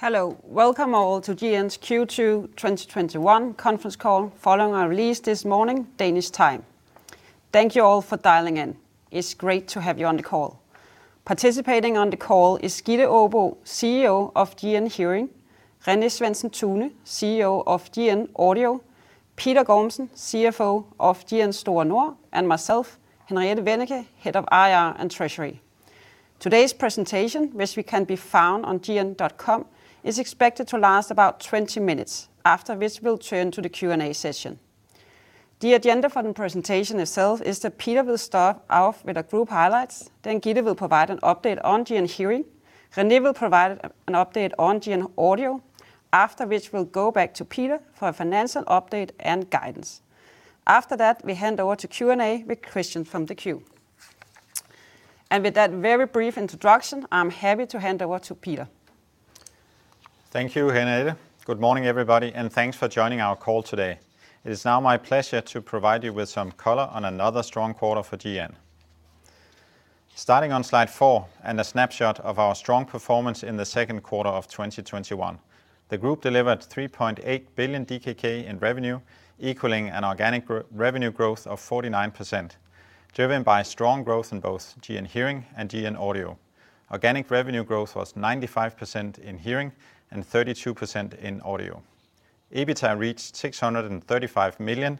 Hello. Welcome all to GN's Q2 2021 conference call following our release this morning, Danish time. Thank you all for dialing in. It's great to have you on the call. Participating on the call is Gitte Aabo, CEO of GN Hearing, René Svendsen-Tune, CEO of GN Audio, Peter Gormsen, CFO of GN Store Nord, and myself, Henriette Wennicke, Head of IR and Treasury. Today's presentation, which we can be found on gn.com, is expected to last about 20 minutes, after which we'll turn to the Q&A session. The agenda for the presentation itself is that Peter will start off with the group highlights. Gitte will provide an update on GN Hearing. René will provide an update on GN Audio, after which we'll go back to Peter for a financial update and guidance. After that, we hand over to Q&A with Christian from the Carnegie. With that very brief introduction, I'm happy to hand over to Peter. Thank you, Henriette. Good morning, everybody. Thanks for joining our call today. It is now my pleasure to provide you with some color on another strong quarter for GN. Starting on slide four and a snapshot of our strong performance in the second quarter of 2021. The group delivered 3.8 billion DKK in revenue, equaling an organic revenue growth of 49%, driven by strong growth in both GN Hearing and GN Audio. Organic revenue growth was 95% in hearing and 32% in audio. EBITDA reached 635 million,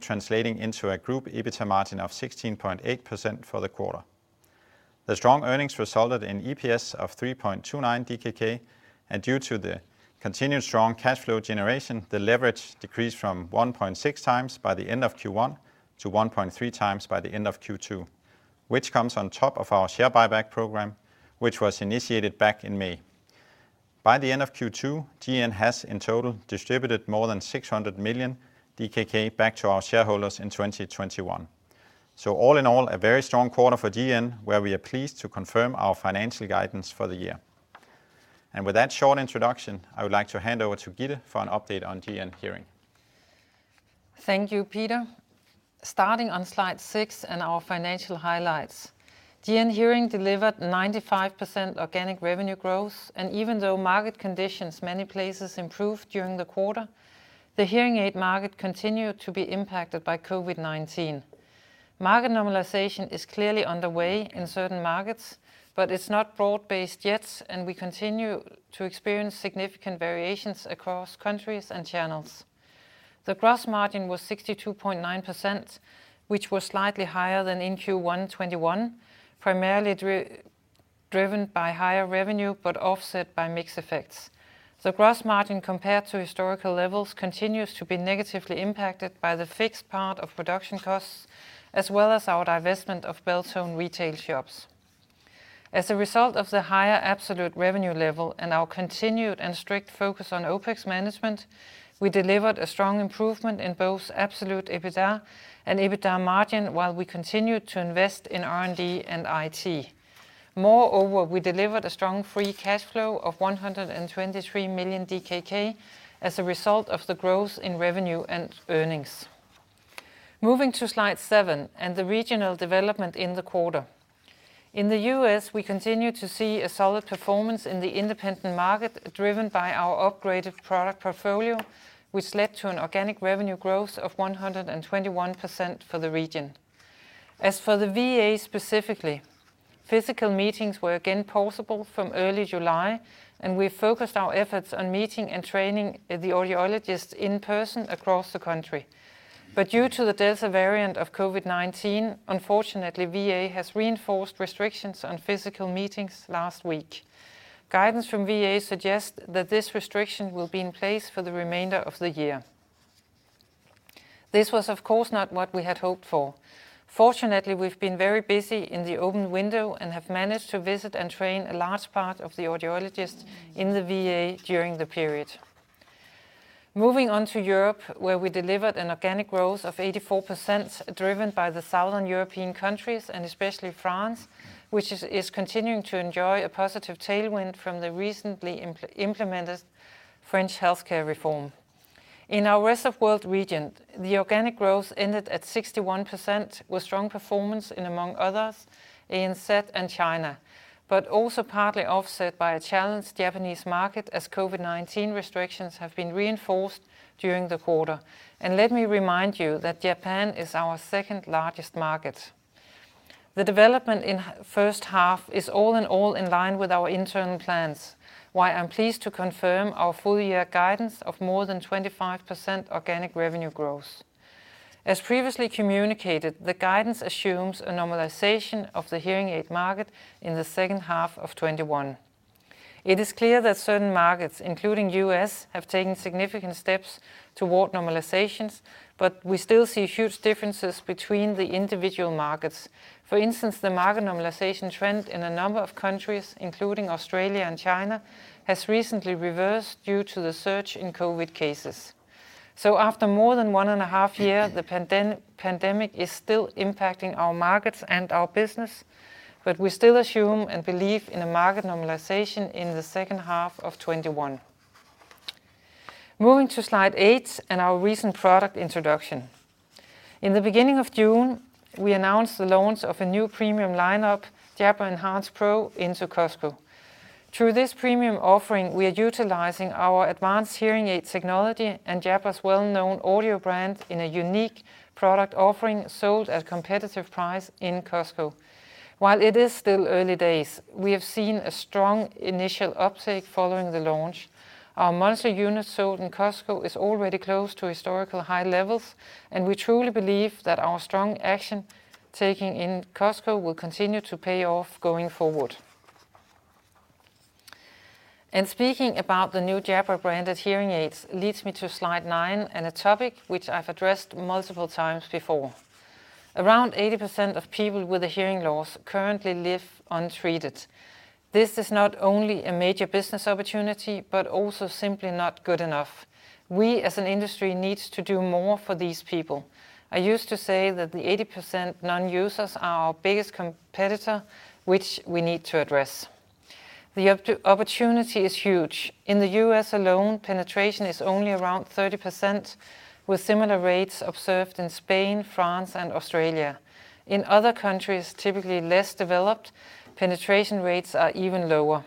translating into a group EBITDA margin of 16.8% for the quarter. The strong earnings resulted in EPS of 3.29 DKK, and due to the continued strong cash flow generation, the leverage decreased from 1.6x by the end of Q1 to 1.3x by the end of Q2, which comes on top of our share buyback program, which was initiated back in May. By the end of Q2, GN has in total distributed more than 600 million DKK back to our shareholders in 2021. All in all, a very strong quarter for GN, where we are pleased to confirm our financial guidance for the year. With that short introduction, I would like to hand over to Gitte for an update on GN Hearing. Thank you, Peter. Starting on slide 6 and our financial highlights. GN Hearing delivered 95% organic revenue growth, and even though market conditions many places improved during the quarter, the hearing aid market continued to be impacted by COVID-19. Market normalization is clearly underway in certain markets, but it's not broad-based yet, and we continue to experience significant variations across countries and channels. The gross margin was 62.9%, which was slightly higher than in Q1 2021, primarily driven by higher revenue, but offset by mix effects. The gross margin compared to historical levels continues to be negatively impacted by the fixed part of production costs, as well as our divestment of Beltone retail shops. As a result of the higher absolute revenue level and our continued and strict focus on OpEx management, we delivered a strong improvement in both absolute EBITDA and EBITDA margin, while we continued to invest in R&D and IT. We delivered a strong free cash flow of 123 million DKK as a result of the growth in revenue and earnings. Moving to slide seven and the regional development in the quarter. In the U.S., we continue to see a solid performance in the independent market, driven by our upgraded product portfolio, which led to an organic revenue growth of 121% for the region. As for the VA specifically, physical meetings were again possible from early July, and we focused our efforts on meeting and training the audiologists in person across the country. Due to the Delta variant of COVID-19, unfortunately, VA has reinforced restrictions on physical meetings last week. Guidance from VA suggests that this restriction will be in place for the remainder of the year. This was, of course, not what we had hoped for. Fortunately, we've been very busy in the open window and have managed to visit and train a large part of the audiologists in the VA during the period. Moving on to Europe, where we delivered an organic growth of 84% driven by the southern European countries and especially France, which is continuing to enjoy a positive tailwind from the recently implemented French healthcare reform. In our rest of world region, the organic growth ended at 61% with strong performance in among others in SET and China. Also partly offset by a challenged Japanese market as COVID-19 restrictions have been reinforced during the quarter. Let me remind you that Japan is our second-largest market. The development in 1st half is all in all in line with our internal plans, why I'm pleased to confirm our full year guidance of more than 25% organic revenue growth. As previously communicated, the guidance assumes a normalization of the hearing aid market in the second half of 2021. It is clear that certain markets, including U.S., have taken significant steps toward normalizations, but we still see huge differences between the individual markets. For instance, the market normalization trend in a number of countries, including Australia and China, has recently reversed due to the surge in COVID-19 cases. After more than one and a half year, the pandemic is still impacting our markets and our business, but we still assume and believe in a market normalization in the second half of 2021. Moving to slide eight and our recent product introduction. In the beginning of June, we announced the launch of a new premium lineup, Jabra Enhance Pro, into Costco. Through this premium offering, we are utilizing our advanced hearing aid technology and Jabra's well-known audio brand in a unique product offering sold at competitive price in Costco. While it is still early days, we have seen a strong initial uptake following the launch. Our monthly units sold in Costco is already close to historical high levels, and we truly believe that our strong action-taking in Costco will continue to pay off going forward. Speaking about the new Jabra-branded hearing aids leads me to slide nine and a topic which I've addressed multiple times before. Around 80% of people with a hearing loss currently live untreated. This is not only a major business opportunity, but also simply not good enough. We, as an industry, need to do more for these people. I used to say that the 80% non-users are our biggest competitor, which we need to address. The opportunity is huge. In the U.S. alone, penetration is only around 30%, with similar rates observed in Spain, France, and Australia. In other countries, typically less developed, penetration rates are even lower.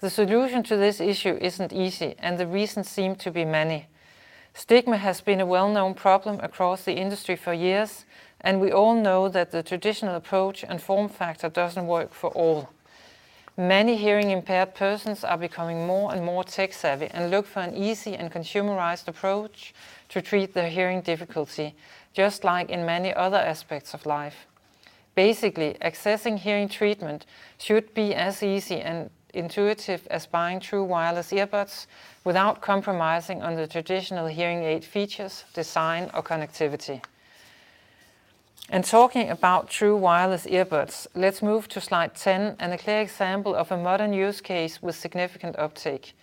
The solution to this issue isn't easy, and the reasons seem to be many. Stigma has been a well-known problem across the industry for years, and we all know that the traditional approach and form factor doesn't work for all. Many hearing-impaired persons are becoming more and more tech-savvy and look for an easy and consumerized approach to treat their hearing difficulty, just like in many other aspects of life. Basically, accessing hearing treatment should be as easy and intuitive as buying true wireless earbuds without compromising on the traditional hearing aid features, design, or connectivity. Talking about true wireless earbuds, let's move to slide 10 and a clear example of a modern use case with significant uptake.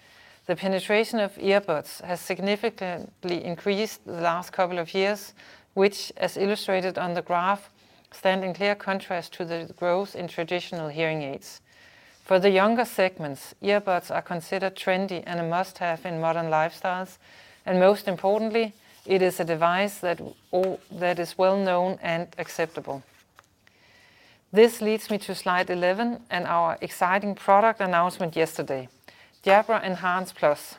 The penetration of earbuds has significantly increased the last couple of years, which, as illustrated on the graph, stand in clear contrast to the growth in traditional hearing aids. For the younger segments, earbuds are considered trendy and a must-have in modern lifestyles, and most importantly, it is a device that is well-known and acceptable. This leads me to slide 11 and our exciting product announcement yesterday, Jabra Enhance Plus.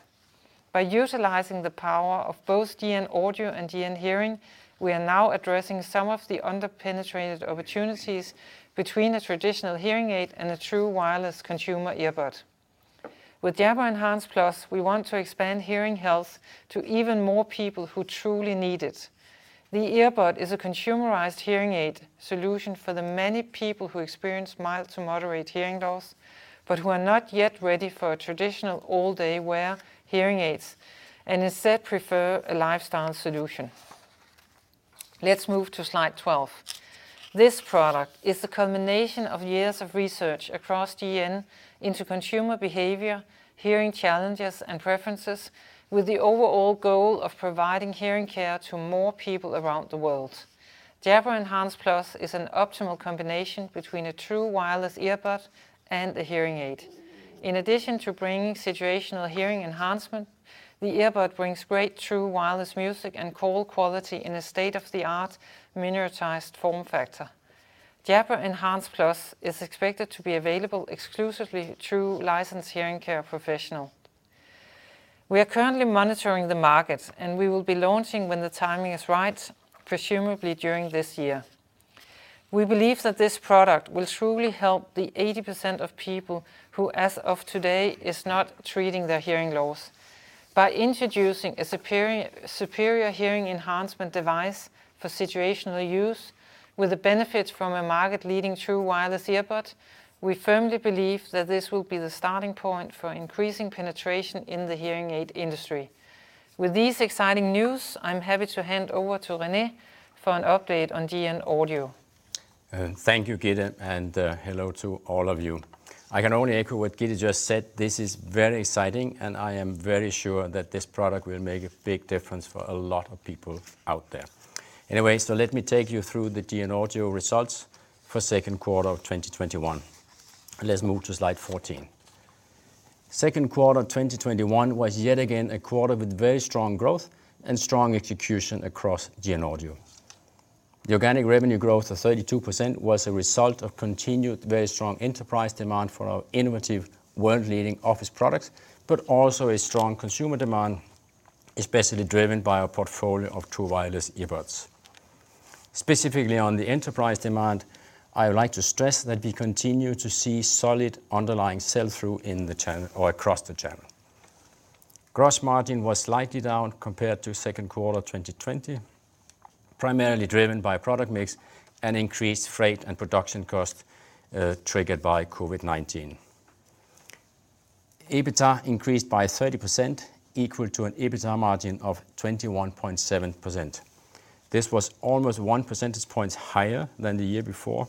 By utilizing the power of both GN Audio and GN Hearing, we are now addressing some of the under-penetrated opportunities between a traditional hearing aid and a true wireless consumer earbud. With Jabra Enhance Plus, we want to expand hearing health to even more people who truly need it. The earbud is a consumerized hearing aid solution for the many people who experience mild to moderate hearing loss, but who are not yet ready for a traditional all-day-wear hearing aids and instead prefer a lifestyle solution. Let's move to slide 12. This product is the combination of years of research across GN into consumer behavior, hearing challenges, and preferences with the overall goal of providing hearing care to more people around the world. Jabra Enhance Plus is an optimal combination between a true wireless earbud and a hearing aid. In addition to bringing situational hearing enhancement, the earbud brings great true wireless music and call quality in a state-of-the-art miniaturized form factor. Jabra Enhance Plus is expected to be available exclusively through licensed hearing care professional. We are currently monitoring the market, and we will be launching when the timing is right, presumably during this year. We believe that this product will truly help the 80% of people who, as of today, is not treating their hearing loss. By introducing a superior hearing enhancement device for situational use with the benefits from a market-leading true wireless earbud, we firmly believe that this will be the starting point for increasing penetration in the hearing aid industry. With these exciting news, I'm happy to hand over to René for an update on GN Audio. Thank you, Gitte, and hello to all of you. I can only echo what Gitte just said. This is very exciting, and I am very sure that this product will make a big difference for a lot of people out there. Let me take you through the GN Audio results for second quarter of 2021. Let's move to slide 14. Second quarter 2021 was yet again a quarter with very strong growth and strong execution across GN Audio. The organic revenue growth of 32% was a result of continued very strong enterprise demand for our innovative world-leading office products, but also a strong consumer demand, especially driven by our portfolio of true wireless earbuds. Specifically on the enterprise demand, I would like to stress that we continue to see solid underlying sell-through in the channel or across the channel. Gross margin was slightly down compared to second quarter 2020, primarily driven by product mix and increased freight and production costs, triggered by COVID-19. EBITDA increased by 30%, equal to an EBITDA margin of 21.7%. This was almost 1 percentage point higher than the year before.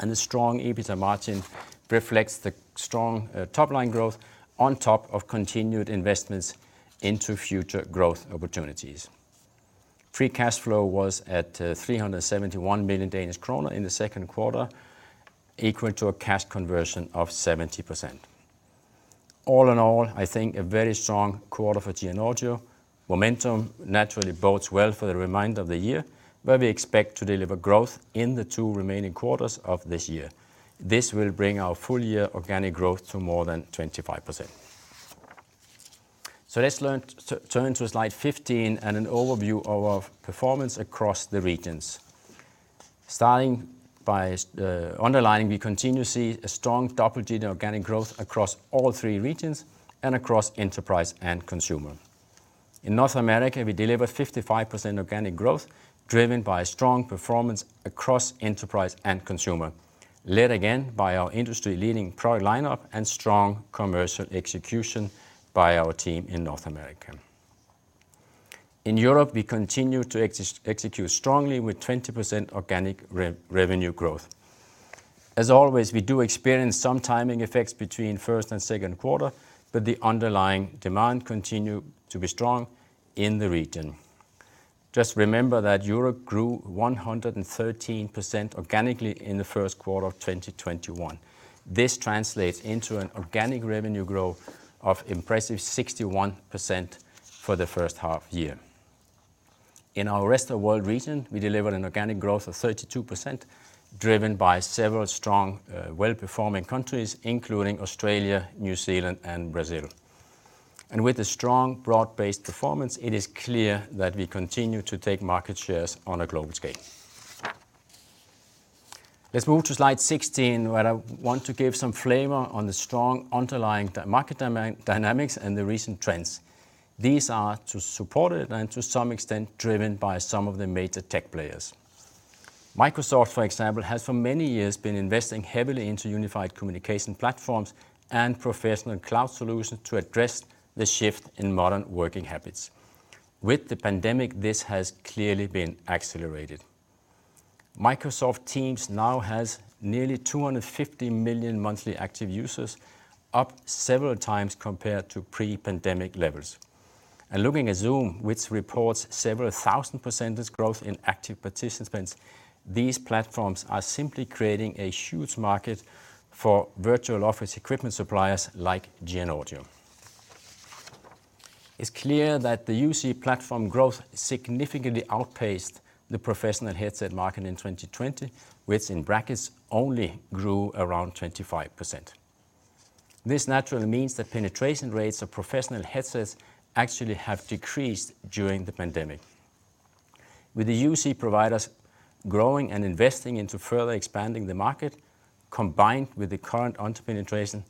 The strong EBITDA margin reflects the strong top-line growth on top of continued investments into future growth opportunities. Free cash flow was at 371 million Danish kroner in the second quarter, equivalent to a cash conversion of 70%. All in all, I think a very strong quarter for GN Audio. Momentum naturally bodes well for the remainder of the year, where we expect to deliver growth in the two remaining quarters of this year. This will bring our full year organic growth to more than 25%. Let's turn to slide 15 and an overview of our performance across the regions. Starting by underlying, we continue to see a strong double-digit organic growth across all three regions and across enterprise and consumer. In North America, we delivered 55% organic growth, driven by strong performance across enterprise and consumer, led again by our industry-leading product lineup and strong commercial execution by our team in North America. In Europe, we continue to execute strongly with 20% organic revenue growth. As always, we do experience some timing effects between first and second quarter. The underlying demand continue to be strong in the region. Just remember that Europe grew 113% organically in the first quarter of 2021. This translates into an organic revenue growth of impressive 61% for the first half year. In our Rest of World region, we delivered an organic growth of 32%, driven by several strong, well-performing countries, including Australia, New Zealand, and Brazil. With a strong broad-based performance, it is clear that we continue to take market shares on a global scale. Let's move to slide 16, where I want to give some flavor on the strong underlying market dynamics and the recent trends. These are to support it and to some extent driven by some of the major tech players. Microsoft, for example, has for many years been investing heavily into unified communication platforms and professional cloud solutions to address the shift in modern working habits. With the pandemic, this has clearly been accelerated. Microsoft Teams now has nearly 250 million monthly active users, up several times compared to pre-pandemic levels. Looking at Zoom, which reports several thousand percentage growth in active participants, these platforms are simply creating a huge market for virtual office equipment suppliers like GN Audio. It's clear that the UC platform growth significantly outpaced the professional headset market in 2020, which in brackets only grew around 25%. This naturally means that penetration rates of professional headsets actually have decreased during the pandemic. With the UC providers growing and investing into further expanding the market, combined with the current under-penetration,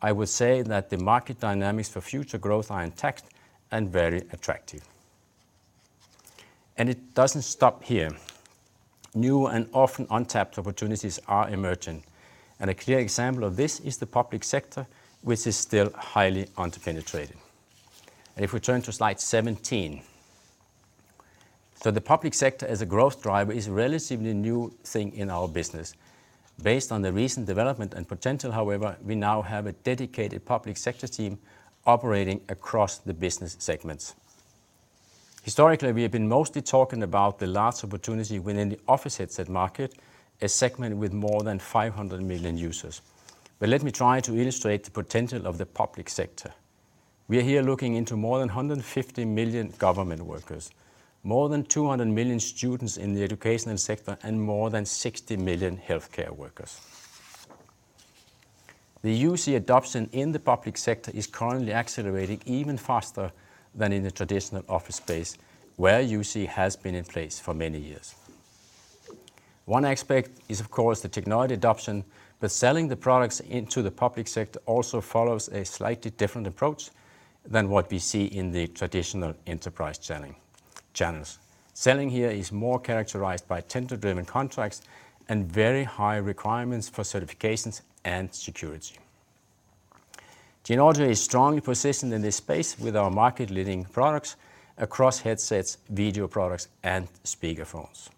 I would say that the market dynamics for future growth are intact and very attractive. It doesn't stop here. New and often untapped opportunities are emerging. A clear example of this is the public sector, which is still highly under-penetrated. If we turn to slide 17. The public sector as a growth driver is a relatively new thing in our business. Based on the recent development and potential, however, we now have a dedicated public sector team operating across the business segments. Historically, we have been mostly talking about the large opportunity within the office headset market, a segment with more than 500 million users. Let me try to illustrate the potential of the public sector. We are here looking into more than 150 million government workers, more than 200 million students in the educational sector, and more than 60 million healthcare workers. The UC adoption in the public sector is currently accelerating even faster than in the traditional office space, where UC has been in place for many years. One aspect is, of course, the technology adoption, but selling the products into the public sector also follows a slightly different approach than what we see in the traditional enterprise channels. Selling here is more characterized by tender-driven contracts and very high requirements for certifications and security. GN Audio is strongly positioned in this space with our market-leading products across headsets, video products, and speakerphones.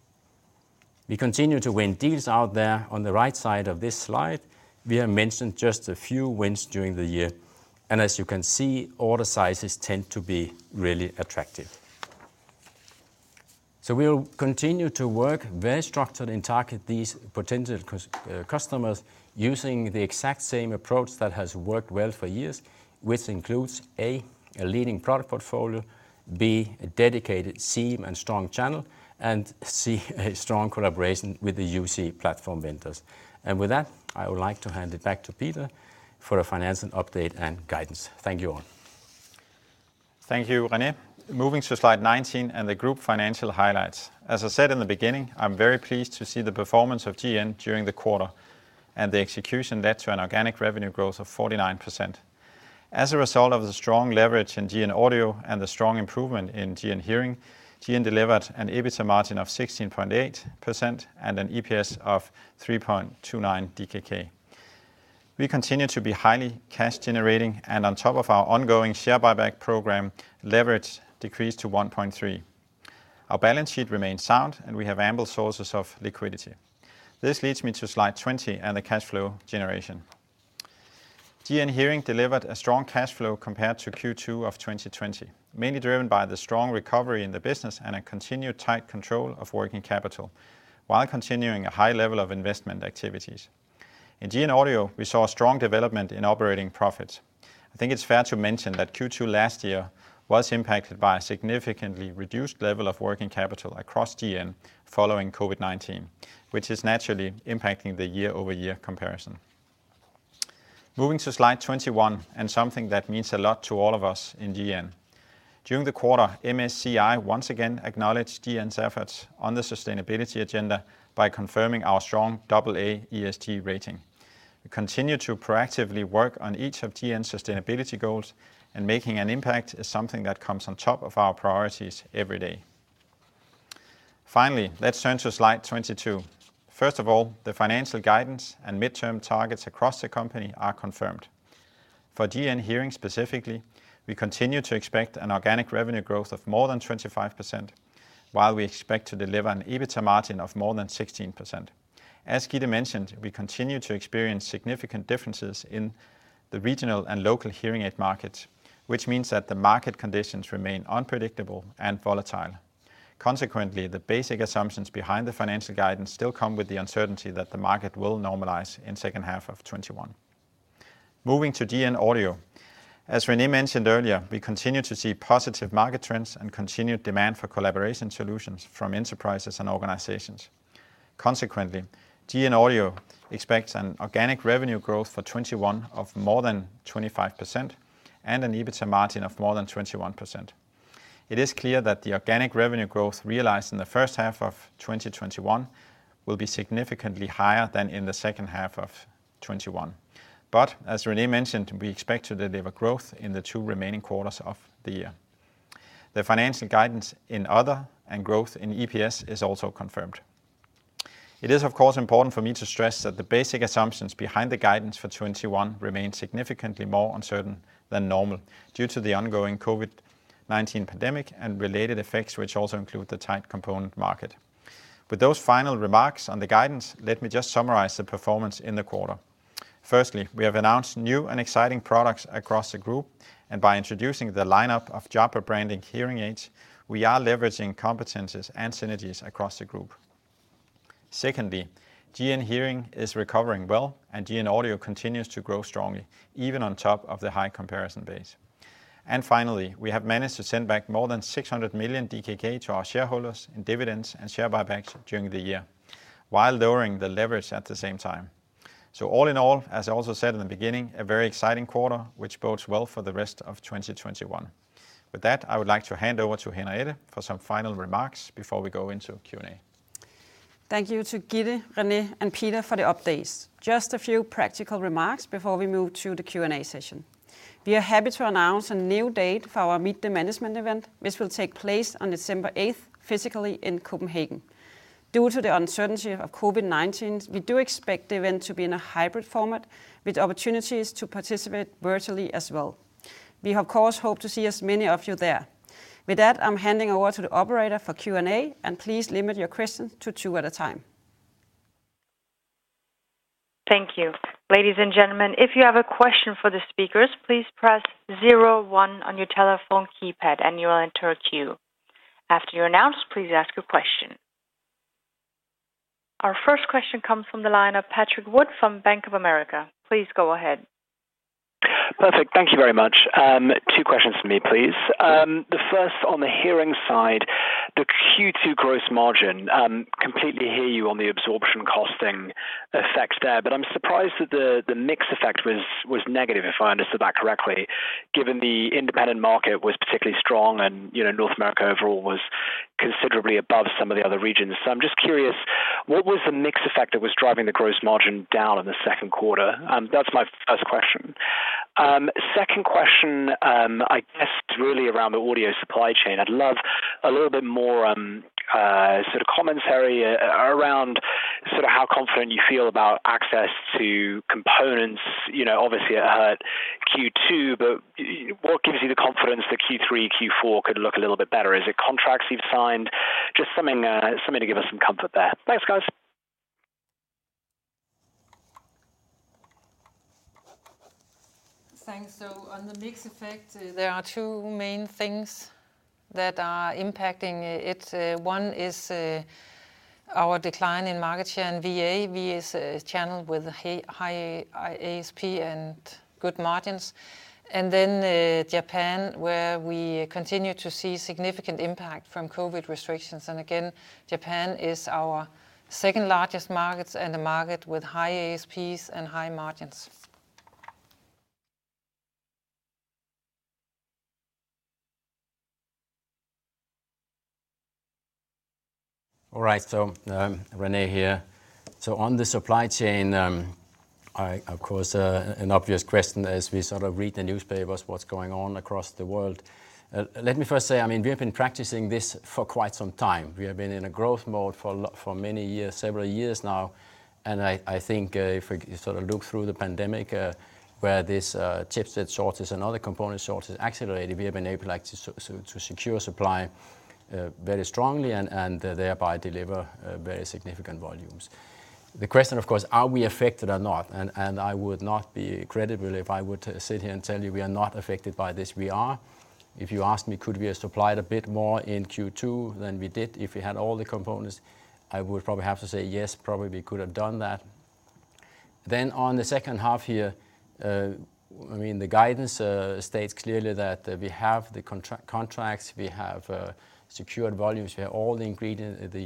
We continue to win deals out there. On the right side of this slide, we have mentioned just a few wins during the year, and as you can see, order sizes tend to be really attractive. We'll continue to work very structured and target these potential customers using the exact same approach that has worked well for years, which includes, A, a leading product portfolio, B, a dedicated team and strong channel, and C, a strong collaboration with the UC platform vendors. With that, I would like to hand it back to Peter for a financial update and guidance. Thank you all. Thank you, René. Moving to slide 19 and the group financial highlights. As I said in the beginning, I am very pleased to see the performance of GN during the quarter, and the execution led to an organic revenue growth of 49%. As a result of the strong leverage in GN Audio and the strong improvement in GN Hearing, GN delivered an EBITDA margin of 16.8% and an EPS of 3.29 DKK. We continue to be highly cash-generating, and on top of our ongoing share buyback program, leverage decreased to 1.3x. Our balance sheet remains sound, and we have ample sources of liquidity. This leads me to slide 20 and the cash flow generation. GN Hearing delivered a strong cash flow compared to Q2 of 2020, mainly driven by the strong recovery in the business and a continued tight control of working capital, while continuing a high level of investment activities. In GN Audio, we saw a strong development in operating profits. I think it's fair to mention that Q2 last year was impacted by a significantly reduced level of working capital across GN following COVID-19, which is naturally impacting the year-over-year comparison. Moving to slide 21, something that means a lot to all of us in GN. During the quarter, MSCI once again acknowledged GN's efforts on the sustainability agenda by confirming our strong double A ESG rating. We continue to proactively work on each of GN's sustainability goals, making an impact is something that comes on top of our priorities every day. Finally, let's turn to slide 22. First of all, the financial guidance and midterm targets across the company are confirmed. For GN Hearing specifically, we continue to expect an organic revenue growth of more than 25%, while we expect to deliver an EBITDA margin of more than 16%. As Gitte mentioned, we continue to experience significant differences in the regional and local hearing aid markets, which means that the market conditions remain unpredictable and volatile. Consequently, the basic assumptions behind the financial guidance still come with the uncertainty that the market will normalize in second half of 2021. Moving to GN Audio. As René mentioned earlier, we continue to see positive market trends and continued demand for collaboration solutions from enterprises and organizations. Consequently, GN Audio expects an organic revenue growth for 2021 of more than 25% and an EBITDA margin of more than 21%. It is clear that the organic revenue growth realized in the first half of 2021 will be significantly higher than in the second half of 2021. As René mentioned, we expect to deliver growth in the two remaining quarters of the year. The financial guidance in other, and growth in EPS is also confirmed. It is, of course, important for me to stress that the basic assumptions behind the guidance for 2021 remain significantly more uncertain than normal due to the ongoing COVID-19 pandemic and related effects, which also include the tight component market. With those final remarks on the guidance, let me just summarize the performance in the quarter. Firstly, we have announced new and exciting products across the group, and by introducing the lineup of Jabra-branded hearing aids, we are leveraging competencies and synergies across the group. Secondly, GN Hearing is recovering well, and GN Audio continues to grow strongly, even on top of the high comparison base. Finally, we have managed to send back more than 600 million DKK to our shareholders in dividends and share buybacks during the year, while lowering the leverage at the same time. All in all, as I also said in the beginning, a very exciting quarter, which bodes well for the rest of 2021. With that, I would like to hand over to Henriette for some final remarks before we go into Q&A. Thank you to Gitte, René, and Peter for the updates. Just a few practical remarks before we move to the Q&A session. We are happy to announce a new date for our Meet the Management event, which will take place on December 8th, physically in Copenhagen. Due to the uncertainty of COVID-19, we do expect the event to be in a hybrid format, with opportunities to participate virtually as well. We, of course, hope to see as many of you there. With that, I'm handing over to the operator for Q&A, and please limit your questions to two at a time. Thank you. Ladies and gentlemen, if you have a question for the speakers, please press zero one on your telephone keypad and you will enter a queue. After you're announced, please ask your question. Our first question comes from the line of Patrick Wood from Bank of America. Please go ahead. Perfect. Thank you very much. Two questions from me, please. Sure. The first on the hearing side, the Q2 gross margin, completely hear you on the absorption costing effects there. I'm surprised that the mix effect was negative, if I understood that correctly, given the independent market was particularly strong and North America overall was considerably above some of the other regions. I'm just curious, what was the mix effect that was driving the gross margin down in the second quarter? That's my first question. Second question, I guess really around the audio supply chain. I'd love a little bit more commentary around how confident you feel about access to components. Obviously, it hurt Q2. What gives you the confidence that Q3, Q4 could look a little bit better? Is it contracts you've signed? Just something to give us some comfort there. Thanks, guys. Thanks. On the mix effect, there are two main things that are impacting it. One is our decline in market share in VA. VA is a channel with a high ASP and good margins. Japan, where we continue to see significant impact from COVID restrictions. Japan is our second-largest market and a market with high ASPs and high margins. All right. René here. On the supply chain, of course, an obvious question as we read the newspapers, what's going on across the world. Let me first say, we have been practicing this for quite some time. We have been in a growth mode for many years, several years now. I think if we look through the pandemic, where this chipset shortage and other component shortages accelerated, we have been able to secure supply very strongly and thereby deliver very significant volumes. The question, of course, are we affected or not? I would not be credible if I were to sit here and tell you we are not affected by this. We are. If you ask me, could we have supplied a bit more in Q2 than we did if we had all the components? I would probably have to say yes, probably we could have done that. On the second half here, the guidance states clearly that we have the contracts, we have secured volumes, we have all the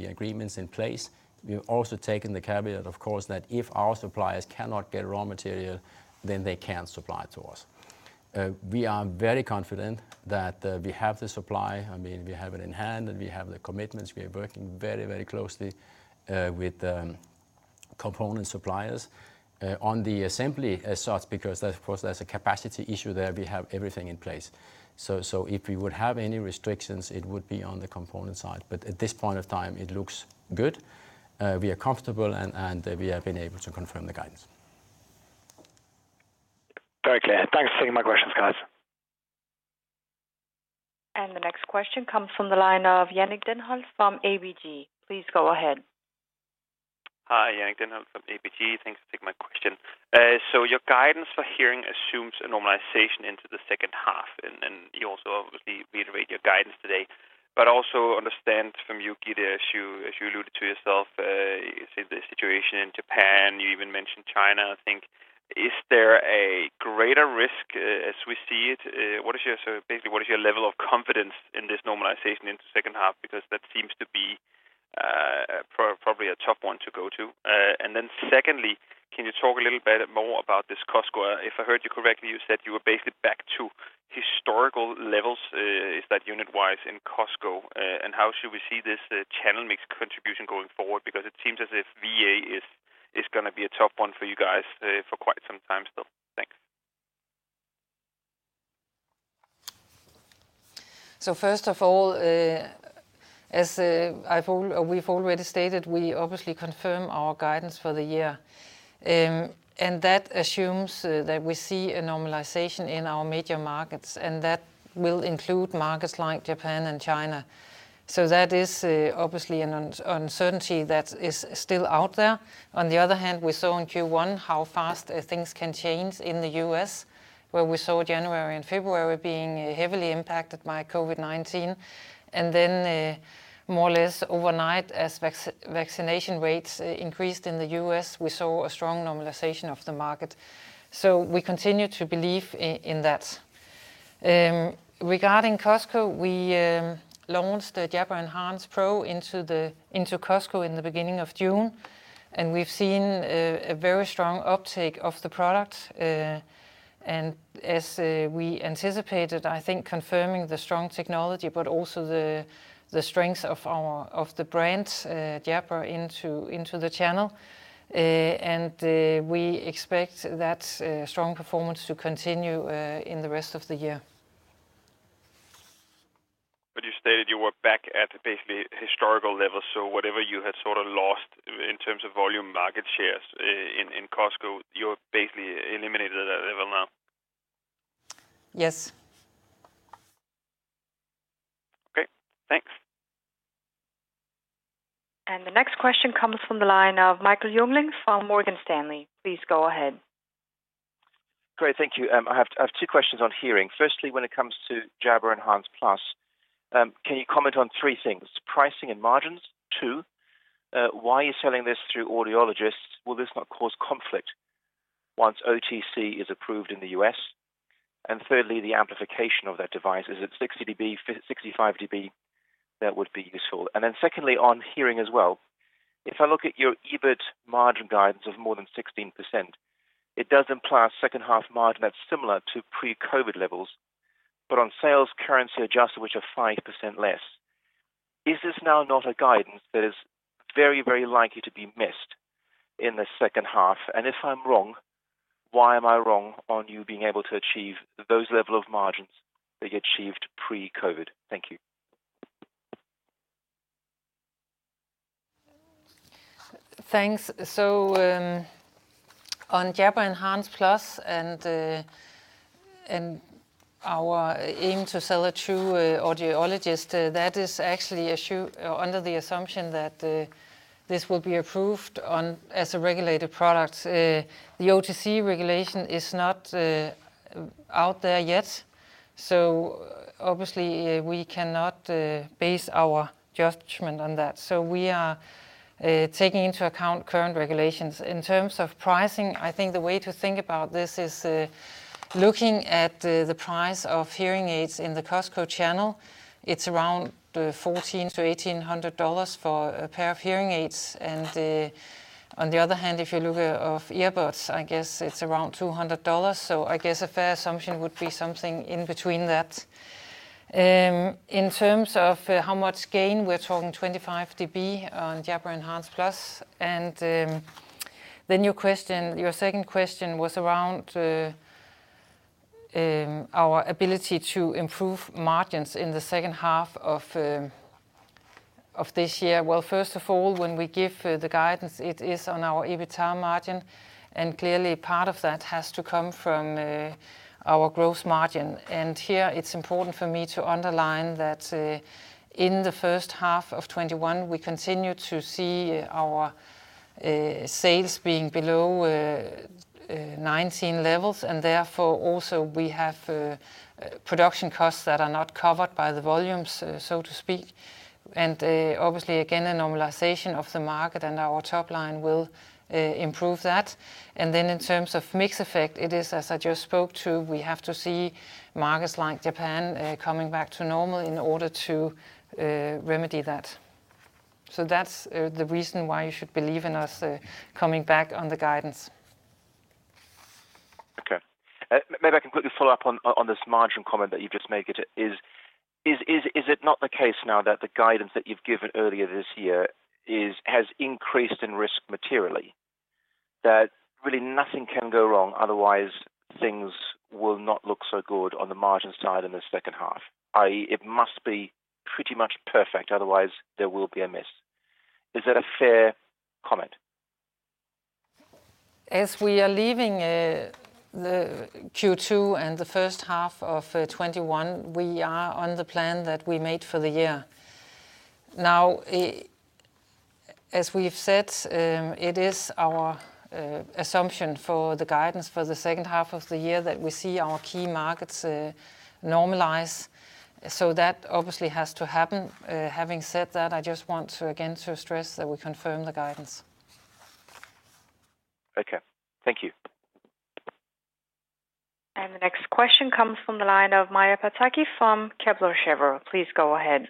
agreements in place. We've also taken the caveat, of course, that if our suppliers cannot get raw material, then they can't supply to us. We are very confident that we have the supply. We have it in hand, and we have the commitments. We are working very closely with the component suppliers on the assembly side because, of course, there's a capacity issue there. We have everything in place. If we would have any restrictions, it would be on the component side. At this point in time, it looks good. We are comfortable, and we have been able to confirm the guidance. Very clear. Thanks for taking my questions, guys. The next question comes from the line of Jannick Denholt from ABG. Please go ahead. Hi, Jannick Denholt from ABG. Thanks for taking my question. Your guidance for hearing assumes a normalization into the second half, and you also obviously reiterate your guidance today. Also understand from you, Gitte, as you alluded to yourself, the situation in Japan, you even mentioned China, I think. Is there a greater risk as we see it? Basically, what is your level of confidence in this normalization in the second half? Because that seems to be probably a tough one to go to. Secondly, can you talk a little bit more about this Costco? If I heard you correctly, you said you were basically back to historical levels. Is that unit-wise in Costco? How should we see this channel mix contribution going forward? Because it seems as if VA is going to be a tough one for you guys for quite some time still. Thanks. First of all, as we've already stated, we obviously confirm our guidance for the year. That assumes that we see a normalization in our major markets. That will include markets like Japan and China. That is obviously an uncertainty that is still out there. On the other hand, we saw in Q1 how fast things can change in the U.S., where we saw January and February being heavily impacted by COVID-19. Then more or less overnight, as vaccination rates increased in the U.S., we saw a strong normalization of the market. We continue to believe in that. Regarding Costco, we launched the Jabra Enhance Pro into Costco in the beginning of June. We've seen a very strong uptake of the product. As we anticipated, I think confirming the strong technology, but also the strength of the brand Jabra into the channel, and we expect that strong performance to continue in the rest of the year. You stated you were back at basically historical levels. Whatever you had sort of lost in terms of volume market shares in Costco, you're basically eliminated at that level now? Yes. Okay, thanks. The next question comes from the line of Michael Jüngling from Morgan Stanley. Please go ahead. Great. Thank you. I have two questions on hearing. Firstly, when it comes to Jabra Enhance Plus, can you comment on three things? Pricing and margins. Two, why are you selling this through audiologists? Will this not cause conflict once OTC is approved in the U.S.? Thirdly, the amplification of that device, is it 60 dB, 65 dB? That would be useful. Secondly, on hearing as well, if I look at your EBIT margin guidance of more than 16%, it does imply a second-half margin that's similar to pre-COVID-19 levels, but on sales currency adjusted, which are 5% less. Is this now not a guidance that is very likely to be missed in the second half? If I'm wrong, why am I wrong on you being able to achieve those level of margins that you achieved pre-COVID-19? Thank you. Thanks. On Jabra Enhance Plus and our aim to sell it through audiologists, that is actually under the assumption that this will be approved as a regulated product. The OTC regulation is not out there yet, obviously we cannot base our judgment on that. We are taking into account current regulations. In terms of pricing, I think the way to think about this is looking at the price of hearing aids in the Costco channel, it's around $1,400-$1,800 for a pair of hearing aids. On the other hand, if you look at earbuds, I guess it's around $200. I guess a fair assumption would be something in between that. In terms of how much gain, we're talking 25 dB on Jabra Enhance Plus. Your second question was around our ability to improve margins in the second half of this year. Well, first of all, when we give the guidance, it is on our EBITDA margin. Clearly part of that has to come from our growth margin. Here it's important for me to underline that in the first half of 2021, we continue to see our sales being below 2019 levels. Therefore also we have production costs that are not covered by the volumes, so to speak. Obviously again, a normalization of the market and our top line will improve that. Then in terms of mix effect, it is, as I just spoke to, we have to see markets like Japan coming back to normal in order to remedy that. That's the reason why you should believe in us coming back on the guidance. Maybe I can quickly follow up on this margin comment that you've just made. Is it not the case now that the guidance that you've given earlier this year has increased in risk materially? That really nothing can go wrong, otherwise things will not look so good on the margin side in the second half, i.e., it must be pretty much perfect, otherwise there will be a miss. Is that a fair comment? As we are leaving the Q2 and the first half of 2021, we are on the plan that we made for the year. As we've said, it is our assumption for the guidance for the second half of the year that we see our key markets normalize, that obviously has to happen. Having said that, I just want to, again, to stress that we confirm the guidance. Okay. Thank you. The next question comes from the line of Maja Pataki from Kepler Cheuvreux. Please go ahead.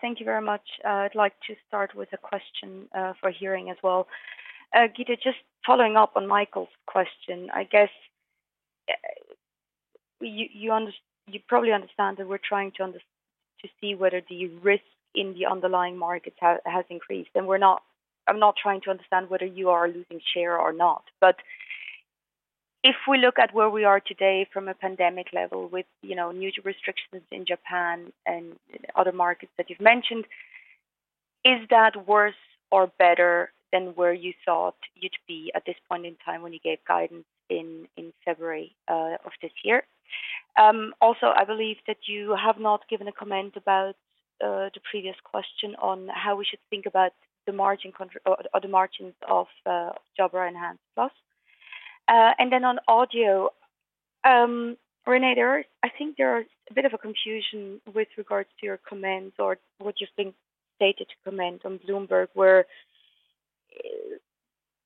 Thank you very much. I'd like to start with a question for hearing as well. Gitte, just following up on Michael's question, I guess you probably understand that we're trying to see whether the risk in the underlying markets has increased. I'm not trying to understand whether you are losing share or not. If we look at where we are today from a pandemic level with new restrictions in Japan and other markets that you've mentioned, is that worse or better than where you thought you'd be at this point in time when you gave guidance in February of this year? Also, I believe that you have not given a comment about the previous question on how we should think about the margins of Jabra Enhance Plus. On Audio, René, I think there is a bit of a confusion with regards to your comments or what you think stated to comments on Bloomberg, where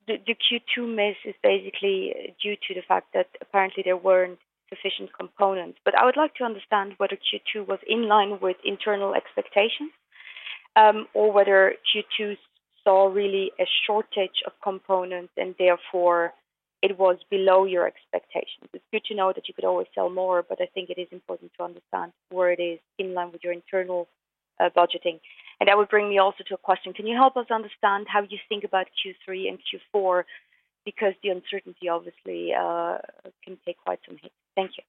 the Q2 miss is basically due to the fact that apparently there weren't sufficient components. I would like to understand whether Q2 was in line with internal expectations, or whether Q2 saw really a shortage of components and therefore it was below your expectations. It's good to know that you could always sell more, I think it is important to understand where it is in line with your internal budgeting. That would bring me also to a question. Can you help us understand how you think about Q3 and Q4? The uncertainty obviously can take quite some hit. Thank you.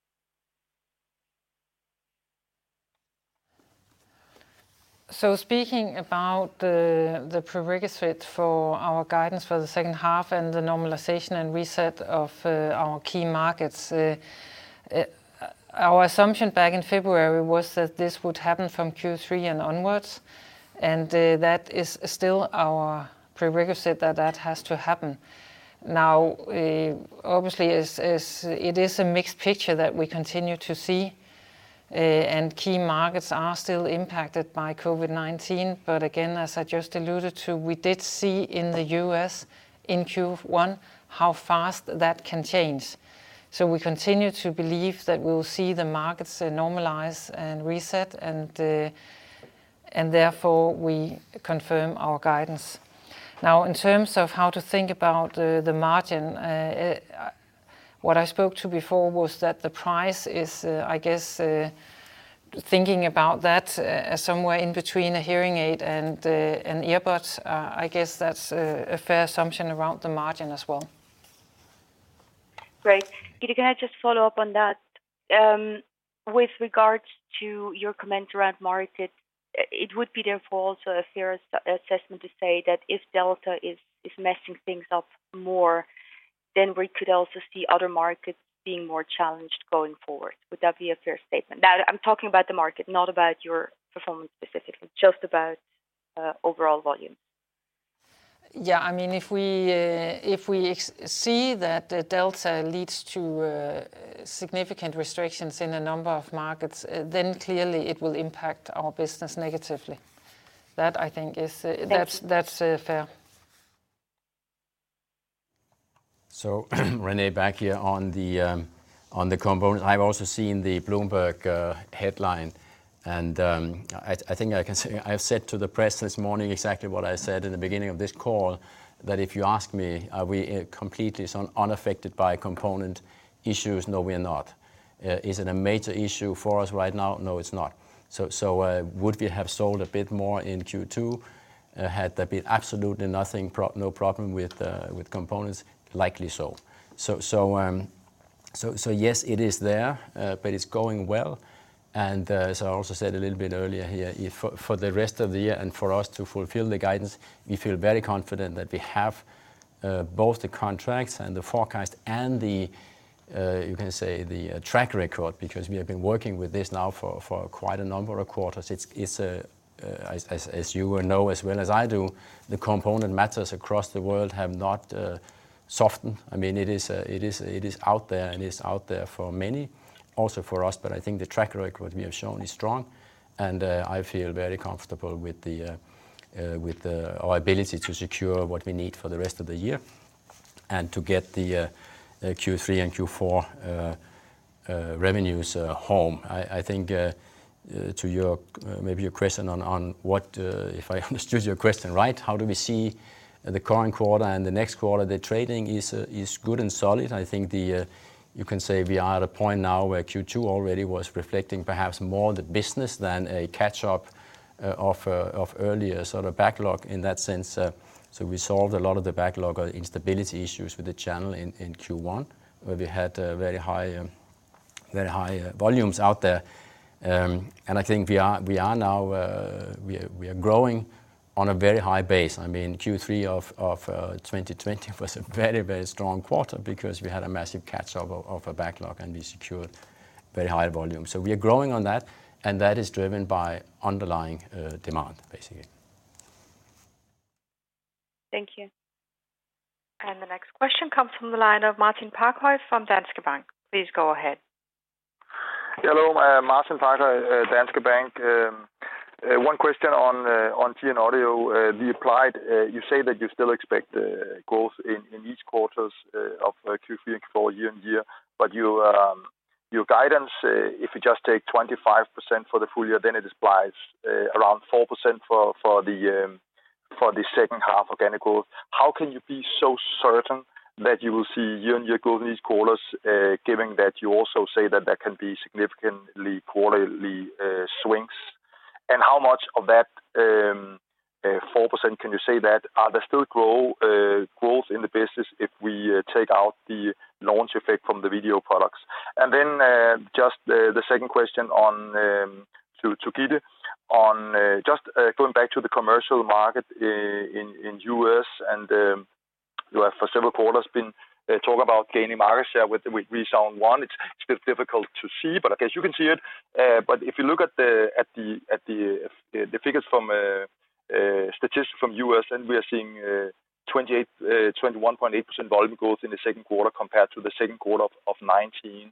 Speaking about the prerequisite for our guidance for the second half and the normalization and reset of our key markets. Our assumption back in February was that this would happen from Q3 and onwards, and that is still our prerequisite that that has to happen. Obviously it is a mixed picture that we continue to see, and key markets are still impacted by COVID-19. Again, as I just alluded to, we did see in the U.S. in Q1 how fast that can change. We continue to believe that we'll see the markets normalize and reset, and therefore we confirm our guidance. In terms of how to think about the margin, what I spoke to before was that the price is, I guess, thinking about that somewhere in between a hearing aid and earbuds. I guess that's a fair assumption around the margin as well. Great. Gitte, can I just follow up on that? With regards to your comment around markets, it would be therefore also a fair assessment to say that if Delta is messing things up more, then we could also see other markets being more challenged going forward. Would that be a fair statement? Now, I'm talking about the market, not about your performance specifically, just about overall volume. Yeah, if we see that Delta leads to significant restrictions in a number of markets, then clearly it will impact our business negatively. Thank you. That's fair. René, back here on the component. I've also seen the Bloomberg headline, and I think I can say, I've said to the press this morning exactly what I said in the beginning of this call, that if you ask me, are we completely unaffected by component issues? No, we're not. Is it a major issue for us right now? No, it's not. Would we have sold a bit more in Q2, had there been absolutely nothing, no problem with components? Likely so. Yes, it is there, but it's going well. As I also said a little bit earlier here, for the rest of the year and for us to fulfill the guidance, we feel very confident that we have both the contracts and the forecast and the track record because we have been working with this now for quite a number of quarters. It's as you will know as well as I do, the component matters across the world have not softened. It is out there, and it's out there for many, also for us. I think the track record we have shown is strong, and I feel very comfortable with our ability to secure what we need for the rest of the year and to get the Q3 and Q4 revenues home. I think to maybe your question on what, if I understood your question right, how do we see the current quarter and the next quarter? The trading is good and solid. I think you can say we are at a point now where Q2 already was reflecting perhaps more the business than a catch-up of earlier backlog in that sense. We solved a lot of the backlog instability issues with the channel in Q1, where we had very high volumes out there. I think we are growing on a very high base. Q3 of 2020 was a very, very strong quarter because we had a massive catch-up of a backlog, and we secured very high volume. We are growing on that, and that is driven by underlying demand, basically. Thank you. The next question comes from the line of Martin Parkhøi from Danske Bank. Please go ahead. Hello. Martin Parkhøi, Danske Bank. One question on GN Audio. You say that you still expect growth in each quarters of Q3 and Q4 year-on-year. Your guidance, if you just take 25% for the full year, then it applies around 4% for the second half organic growth. How can you be so certain that you will see year-on-year growth in these quarters, given that you also say that that can be significantly quarterly swings? How much of that 4% can you say that are there still growth in the business if we take out the launch effect from the video products? Just the second question to Gitte on just going back to the commercial market in U.S. You have for several quarters been talking about gaining market share with ReSound ONE. It's a bit difficult to see, but I guess you can see it. If you look at the figures from statistics from U.S., we are seeing 21.8% volume growth in the second quarter compared to the second quarter of 2019.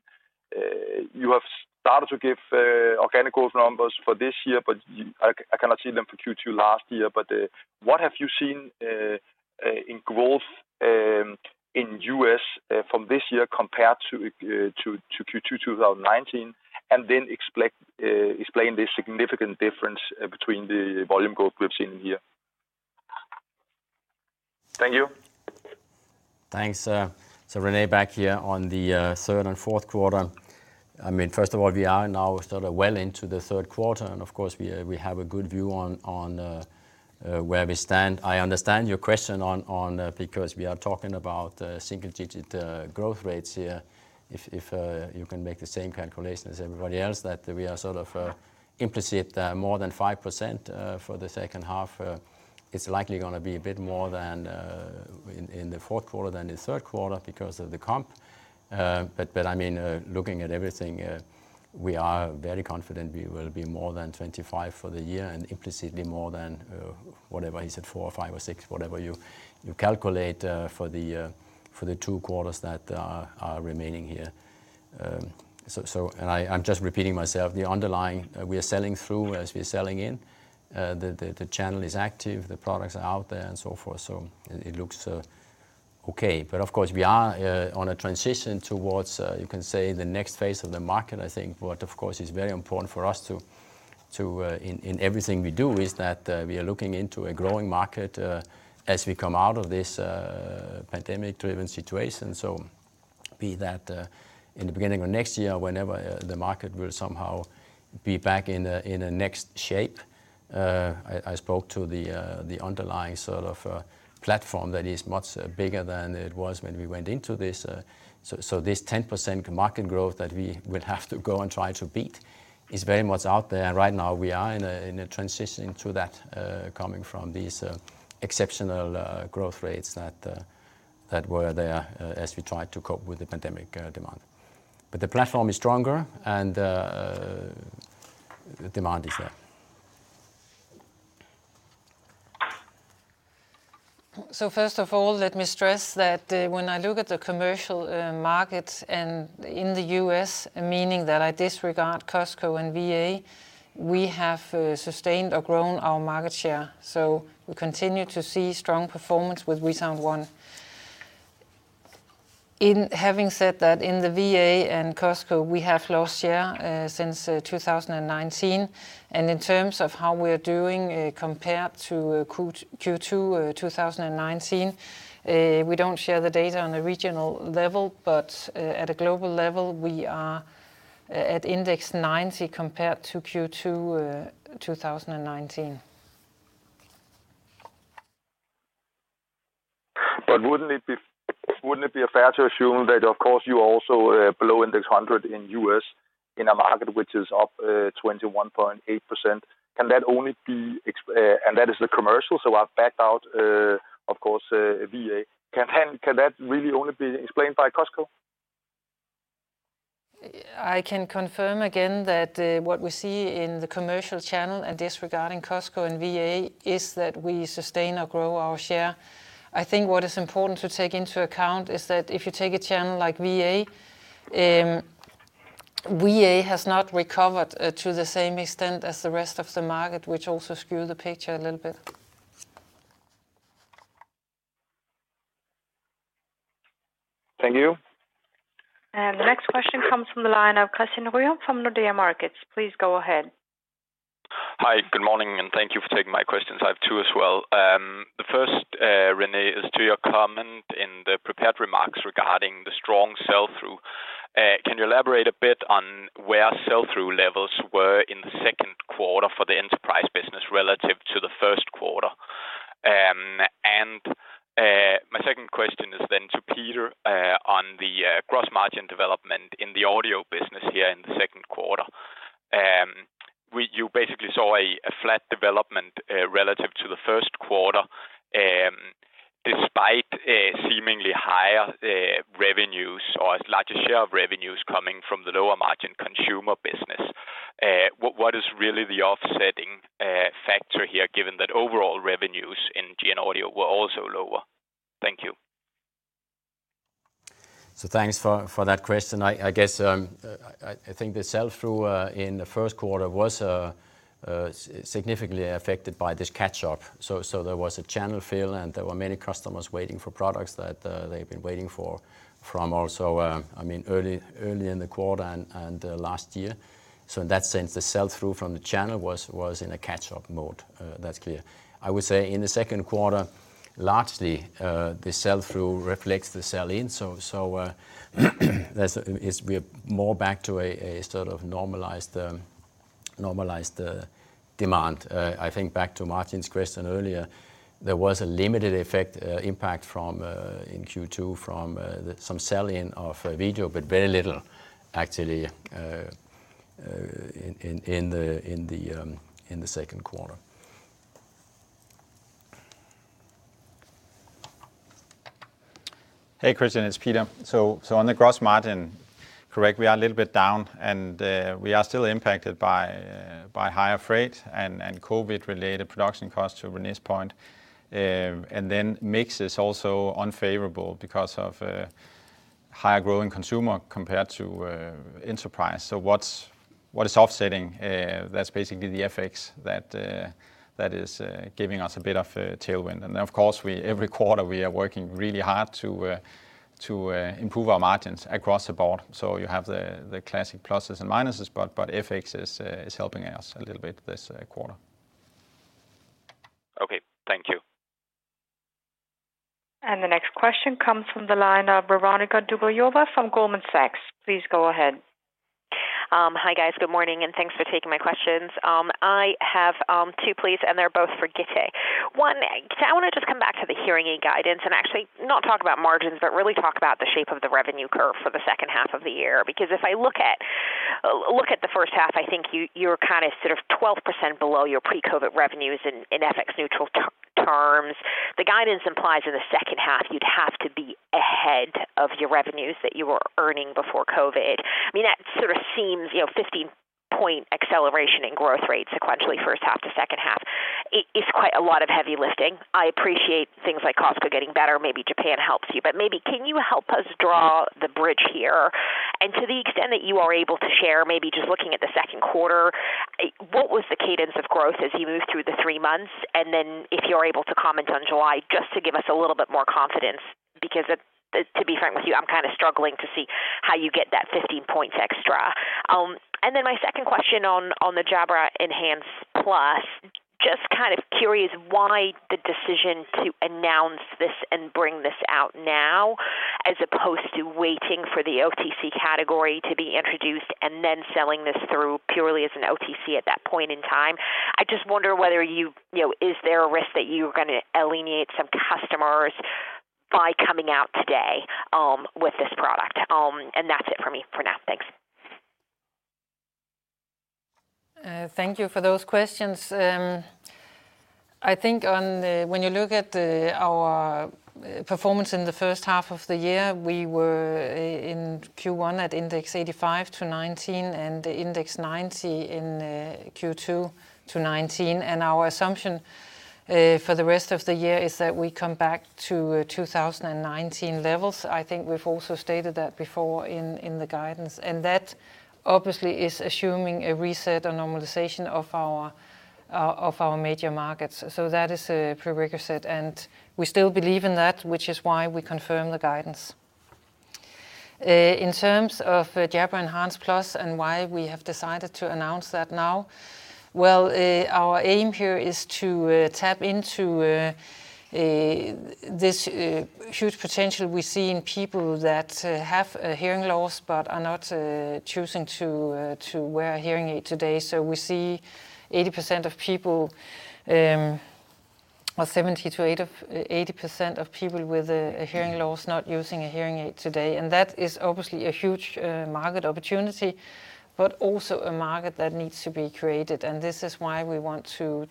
You have started to give organic growth numbers for this year, I cannot see them for Q2 last year. What have you seen in growth in U.S. from this year compared to Q2 2019? Explain the significant difference between the volume growth we've seen here. Thank you. Thanks. René back here on the third and fourth quarter. First of all, we are now well into the third quarter, and of course, we have a good view on where we stand. I understand your question on, because we are talking about single-digit growth rates here. If you can make the same calculation as everybody else, that we are implicit more than 5% for the second half. It's likely going to be a bit more in the fourth quarter than the third quarter because of the comp. Looking at everything, we are very confident we will be more than 25% for the year and implicitly more than whatever, is it 4% or 5% or 6%, whatever you calculate for the two quarters that are remaining here. And I'm just repeating myself, the underlying, we are selling through as we're selling in. The channel is active, the products are out there and so forth. It looks okay. Of course, we are on a transition towards, you can say the next phase of the market, I think. Of course, it's very important for us in everything we do, is that we are looking into a growing market as we come out of this pandemic-driven situation. Be that in the beginning of next year, whenever the market will somehow be back in a next shape. I spoke to the underlying platform that is much bigger than it was when we went into this. This 10% market growth that we will have to go and try to beat is very much out there. Right now, we are in a transition to that, coming from these exceptional growth rates that were there as we tried to cope with the pandemic demand. The platform is stronger and the demand is there. First of all, let me stress that when I look at the commercial market and in the U.S., meaning that I disregard Costco and VA, we have sustained or grown our market share. We continue to see strong performance with ReSound ONE. Having said that, in the VA and Costco, we have lost share since 2019, and in terms of how we are doing compared to Q2 2019, we don't share the data on a regional level, but at a global level, we are at index 90 compared to Q2 2019. Wouldn't it be fair to assume that, of course, you are also below Index 100 in the U.S. in a market which is up 21.8%? That is the commercial, so I've backed out, of course, VA. Can that really only be explained by Costco? I can confirm again that what we see in the commercial channel, and disregarding Costco and VA, is that we sustain or grow our share. I think what is important to take into account is that if you take a channel like VA has not recovered to the same extent as the rest of the market, which also screws the picture a little bit. Thank you. The next question comes from the line of Christian Ryom from Nordea Markets. Please go ahead. Hi. Good morning. Thank you for taking my questions. I have two as well. The first, René, is to your comment in the prepared remarks regarding the strong sell-through. Can you elaborate a bit on where sell-through levels were in the second quarter for the enterprise business relative to the first quarter? My second question is to Peter on the gross margin development in the audio business here in the second quarter. You basically saw a flat development relative to the first quarter, despite seemingly higher revenues or a larger share of revenues coming from the lower margin consumer business. What is really the offsetting factor here, given that overall revenues in GN Audio were also lower? Thank you. Thanks for that question. I think the sell-through in the first quarter was significantly affected by this catch-up. There was a channel fill, and there were many customers waiting for products that they've been waiting for from early in the quarter and last year. In that sense, the sell-through from the channel was in a catch-up mode. That's clear. I would say in the second quarter, largely, the sell-through reflects the sell-in, so we are more back to a sort of normalized demand. I think back to Martin's question earlier, there was a limited impact in Q2 from some sell-in of video, but very little actually in the second quarter. Hey, Christian, it's Peter. On the gross margin, correct, we are a little bit down. We are still impacted by higher freight and COVID-related production costs to René's point. Mix is also unfavorable because of higher growing consumer compared to enterprise. What is offsetting? That's basically the FX that is giving us a bit of a tailwind. Of course, every quarter we are working really hard to improve our margins across the board. You have the classic pluses and minuses, but FX is helping us a little bit this quarter. Okay. Thank you. The next question comes from the line of Veronika Dubajova from Goldman Sachs. Please go ahead. Hi, guys. Good morning, and thanks for taking my questions. I have two please. They're both for Gitte. One, I want to just come back to the hearing aid guidance and actually not talk about margins, but really talk about the shape of the revenue curve for the second half of the year. Because if I look at the 1st half, I think you're kind of sort of 12% below your pre-COVID revenues in FX neutral terms. The guidance implies in the second half you'd have to be ahead of your revenues that you were earning before COVID. That sort of seems 15-point acceleration in growth rates sequentially, first half to second half. It's quite a lot of heavy lifting. I appreciate things like Costco getting better. Maybe Japan helps you, but maybe can you help us draw the bridge here? To the extent that you are able to share, maybe just looking at the second quarter, what was the cadence of growth as you moved through the three months? If you're able to comment on July, just to give us a little bit more confidence, because to be frank with you, I'm kind of struggling to see how you get that 15 points extra. My second question on the Jabra Enhance Plus, just kind of curious why the decision to announce this and bring this out now as opposed to waiting for the OTC category to be introduced and then selling this through purely as an OTC at that point in time. I just wonder whether is there a risk that you're going to alienate some customers by coming out today with this product? That's it for me for now. Thanks. Thank you for those questions. I think when you look at our performance in the first half of the year, we were in Q1 at Index 85 to 2019 and Index 90 in Q2 to 2019. Our assumption for the rest of the year is that we come back to 2019 levels. I think we've also stated that before in the guidance, and that obviously is assuming a reset or normalization of our major markets. That is a prerequisite, and we still believe in that, which is why we confirm the guidance. In terms of Jabra Enhance Plus and why we have decided to announce that now, well, our aim here is to tap into this huge potential we see in people that have hearing loss but are not choosing to wear a hearing aid today. We see 70%-80% of people with a hearing loss not using a hearing aid today. That is obviously a huge market opportunity, but also a market that needs to be created. This is why we want to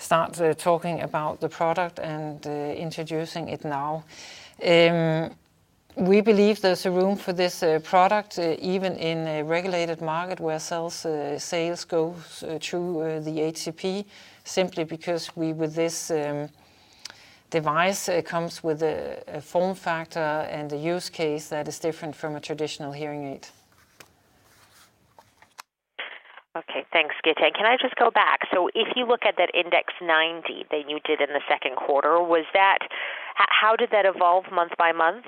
start talking about the product and introducing it now. We believe there's a room for this product, even in a regulated market where sales go through the HCP, simply because with this device, it comes with a form factor and a use case that is different from a traditional hearing aid. Okay, thanks, Gitte. Can I just go back? If you look at that index 90 that you did in the second quarter, how did that evolve month by month?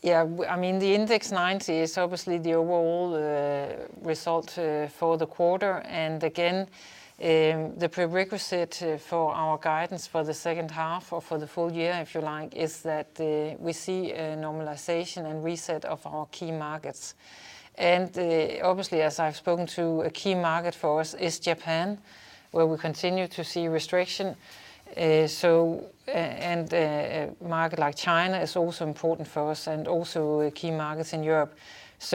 Yeah. The index 90 is obviously the overall result for the quarter. Again, the prerequisite for our guidance for the second half or for the full year, if you like, is that we see a normalization and reset of our key markets. Obviously, as I've spoken to, a key market for us is Japan, where we continue to see restriction. A market like China is also important for us and also key markets in Europe.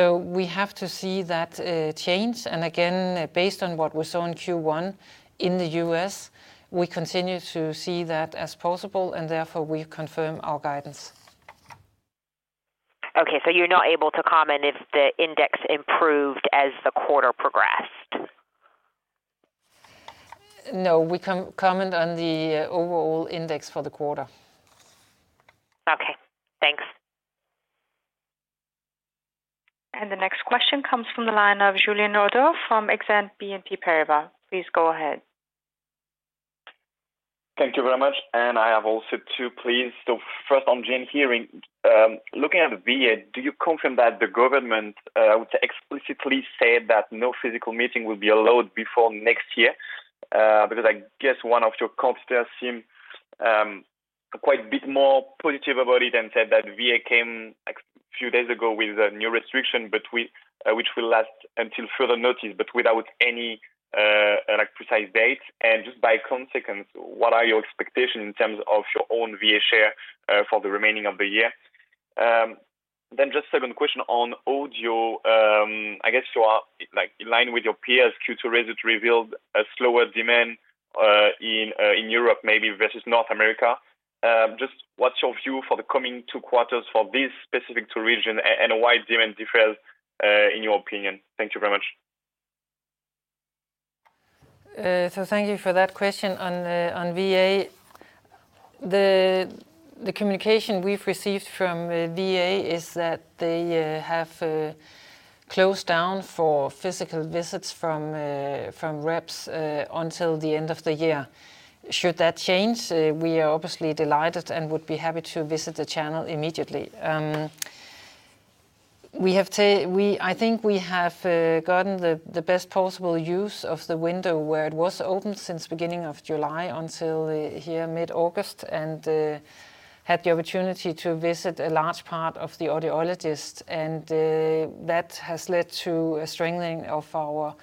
We have to see that change. Again, based on what we saw in Q1 in the U.S., we continue to see that as possible, and therefore we confirm our guidance. Okay. You're not able to comment if the index improved as the quarter progressed? No, we comment on the overall index for the quarter. Okay, thanks. The next question comes from the line of Julien Ouaddour from Exane BNP Paribas. Please go ahead. Thank you very much. I have also two, please. First on GN Hearing, looking at VA, do you confirm that the government would explicitly say that no physical meeting will be allowed before next year? I guess one of your competitors seem quite a bit more positive about it and said that VA came a few days ago with a new restriction, which will last until further notice, but without any precise date. Just by consequence, what are your expectations in terms of your own VA share for the remaining of the year? Just second question on audio. I guess you are in line with your peers. Q2 results revealed a slower demand in Europe maybe versus North America. Just what's your view for the coming two quarters for these specific two region and why demand differs, in your opinion? Thank you very much. Thank you for that question on VA. The communication we've received from VA is that they have closed down for physical visits from reps until the end of the year. Should that change, we are obviously delighted and would be happy to visit the channel immediately. I think we have gotten the best possible use of the window where it was open since beginning of July until here mid-August, and had the opportunity to visit a large part of the audiologists. That has led to a strengthening of our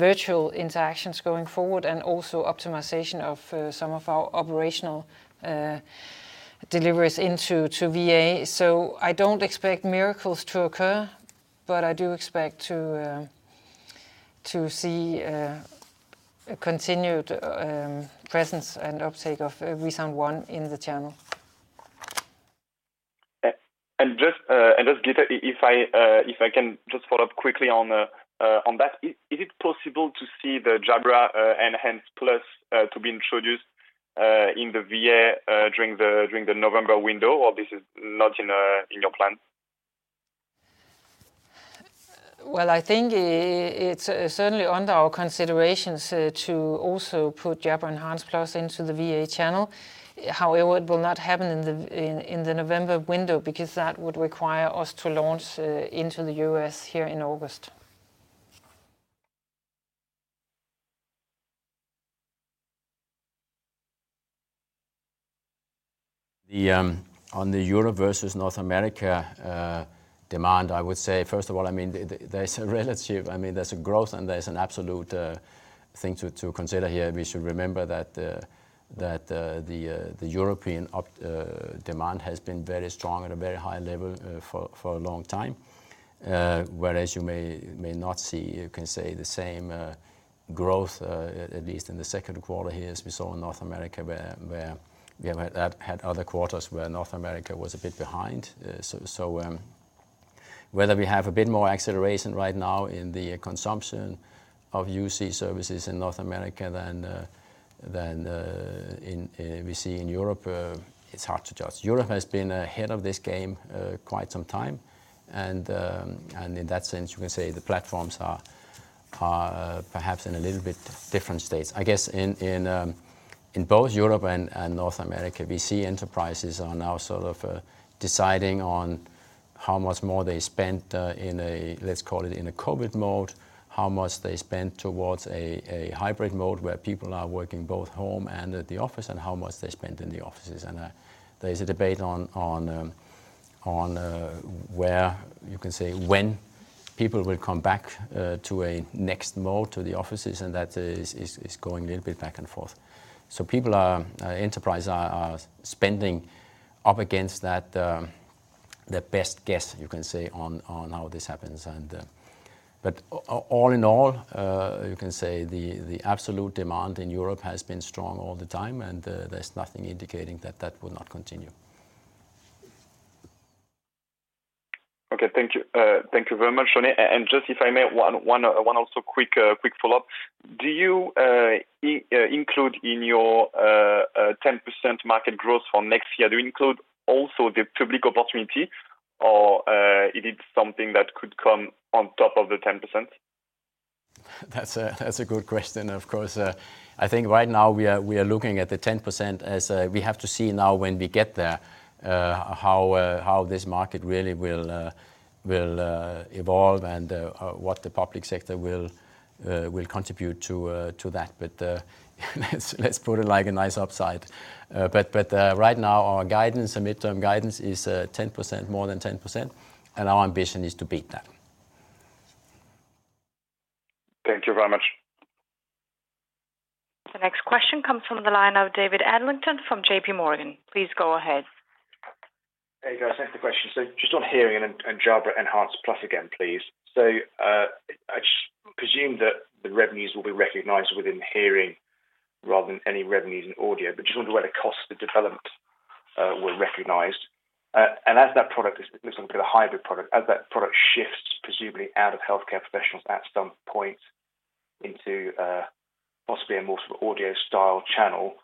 virtual interactions going forward and also optimization of some of our operational deliveries into VA. I don't expect miracles to occur, but I do expect to see a continued presence and uptake of ReSound ONE in the channel. Just, Gitte, if I can just follow up quickly on that. Is it possible to see the Jabra Enhance Plus to be introduced in the VA during the November window, or this is not in your plans? Well, I think it's certainly under our considerations to also put Jabra Enhance Plus into the VA channel. It will not happen in the November window because that would require us to launch into the U.S. here in August. On the Europe versus North America demand, I would say, first of all, there's a relative, there's a growth and there's an absolute thing to consider here. We should remember that the European demand has been very strong at a very high level for a long time. You may not see, you can say the same growth, at least in the second quarter here, as we saw in North America, where we have had other quarters where North America was a bit behind. Whether we have a bit more acceleration right now in the consumption of UC services in North America than we see in Europe, it's hard to judge. Europe has been ahead of this game quite some time, and in that sense, you can say the platforms are perhaps in a little bit different states. I guess in both Europe and North America, we see enterprises are now sort of deciding on how much more they spent in a, let's call it in a COVID mode, how much they spent towards a hybrid mode where people are working both home and at the office, and how much they spent in the offices. There is a debate on where you can say when people will come back to a next mode to the offices, and that is going a little bit back and forth. Enterprise are spending up against that best guess, you can say, on how this happens. All in all, you can say the absolute demand in Europe has been strong all the time, and there's nothing indicating that that will not continue. Okay. Thank you. Thank you very much, René. Just if I may, one also quick follow-up. Do you include in your 10% market growth for next year, do you include also the public opportunity, or it is something that could come on top of the 10%? That's a good question. Of course. I think right now we are looking at the 10% as we have to see now when we get there, how this market really will evolve and what the public sector will contribute to that. Let's put it like a nice upside. Right now, our guidance and midterm guidance is 10%, more than 10%, and our ambition is to beat that. Thank you very much. The next question comes from the line of David Adlington from JPMorgan. Please go ahead. Hey, guys. Thanks for the question. Just on Hearing and Jabra Enhance Plus again, please. I just presume that the revenues will be recognized within Hearing rather than any revenues in Audio, but just wonder where the cost of development were recognized. As that product looks like a hybrid product, as that product shifts, presumably out of healthcare professionals at some point into possibly a more sort of Audio style channel,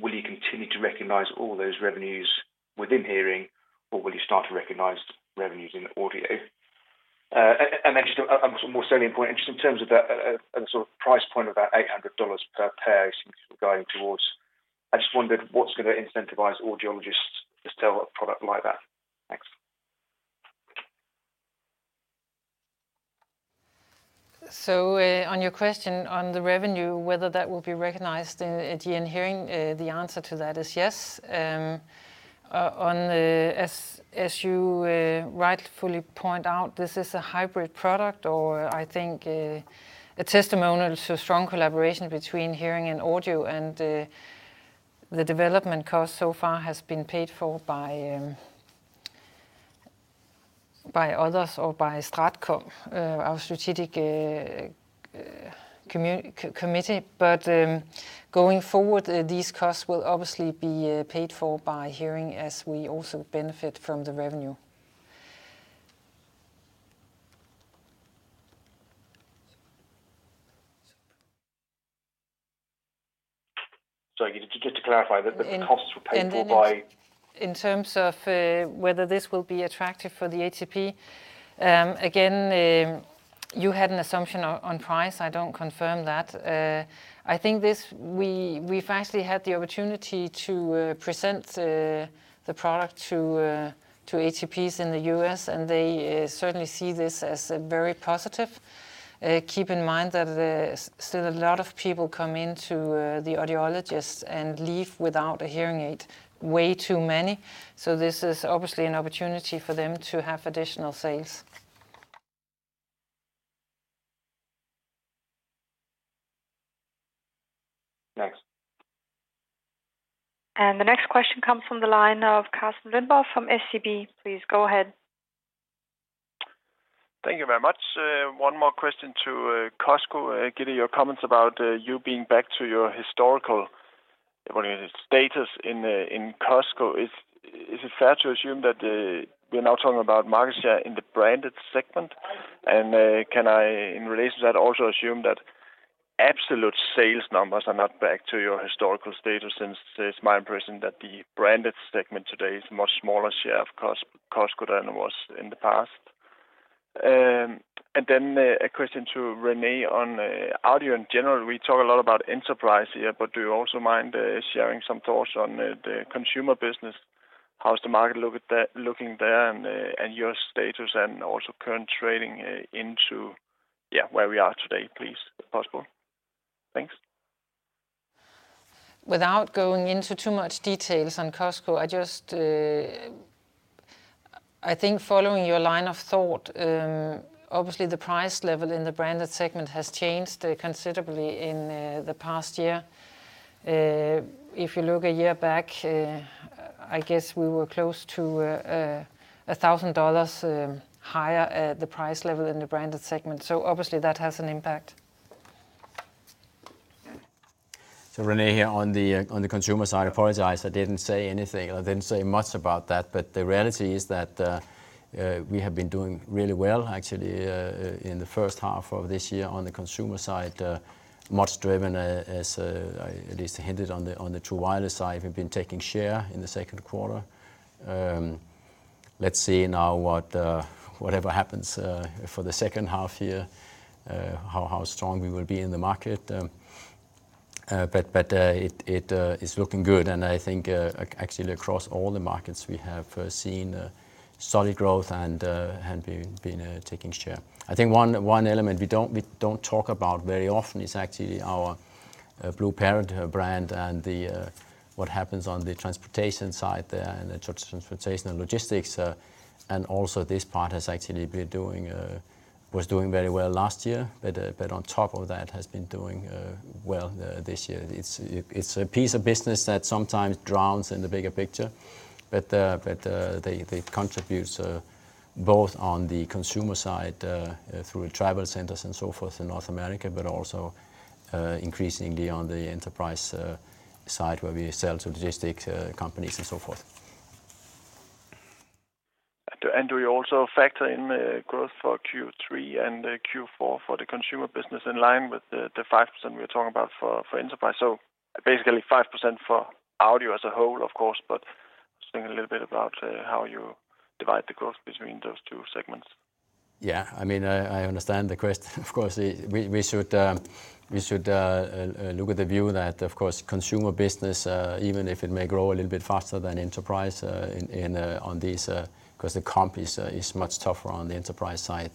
will you continue to recognize all those revenues within Hearing, or will you start to recognize revenues in Audio? Then just a more salient point, just in terms of the sort of price point of that DKK 800 per pair it seems to be going towards, I just wondered what's going to incentivize audiologists to sell a product like that. Thanks. On your question on the revenue, whether that will be recognized at GN Hearing, the answer to that is yes. As you rightfully point out, this is a hybrid product or I think a testimonial to strong collaboration between hearing and audio and the development cost so far has been paid for by others or by StratCom, our strategic committee. Going forward, these costs will obviously be paid for by hearing as we also benefit from the revenue. Sorry, just to clarify that the costs were paid for by. In terms of whether this will be attractive for the HCP, again, you had an assumption on price. I don't confirm that. I think we've actually had the opportunity to present the product to HCPs in the U.S., and they certainly see this as very positive. Keep in mind that there's still a lot of people come into the audiologists and leave without a hearing aid, way too many. This is obviously an opportunity for them to have additional sales. Thanks. The next question comes from the line of Carsten Lønborg from SEB. Please go ahead. Thank you very much. One more question to Costco. Gitte, your comments about you being back to your historical status in Costco, is it fair to assume that we're now talking about market share in the branded segment? Can I, in relation to that, also assume that absolute sales numbers are not back to your historical status since it's my impression that the branded segment today is much smaller share of Costco than it was in the past? Then a question to René on audio in general. We talk a lot about enterprise here, but do you also mind sharing some thoughts on the consumer business? How's the market looking there, and your status and also current trading into where we are today, please, if possible? Thanks. Without going into too much details on Costco, I think following your line of thought, obviously the price level in the branded segment has changed considerably in the past year. If you look a year back, I guess we were close to DKK 1,000 higher the price level in the branded segment. Obviously that has an impact. René here on the consumer side, I apologize, I didn't say anything. I didn't say much about that, but the reality is that we have been doing really well, actually, in the first half of this year on the consumer side, much driven as I at least hinted on the true wireless side. We've been taking share in the second quarter. Let's see now whatever happens for the second half year, how strong we will be in the market. It is looking good, and I think actually across all the markets, we have seen solid growth and been taking share. I think one element we don't talk about very often is actually our BlueParrott brand and what happens on the transportation side there, and the transportation and logistics. Also this part was doing very well last year, but on top of that has been doing well this year. It's a piece of business that sometimes drowns in the bigger picture, but they contribute so both on the consumer side, through travel centers and so forth in North America, but also increasingly on the enterprise side where we sell to logistics companies and so forth. Do you also factor in the growth for Q3 and Q4 for the consumer business in line with the 5% we're talking about for enterprise? Basically 5% for audio as a whole, of course, but just thinking a little bit about how you divide the growth between those two segments. Yeah, I understand the question. Of course, we should look at the view that, of course, consumer business, even if it may grow a little bit faster than enterprise on this, because the comp is much tougher on the enterprise side,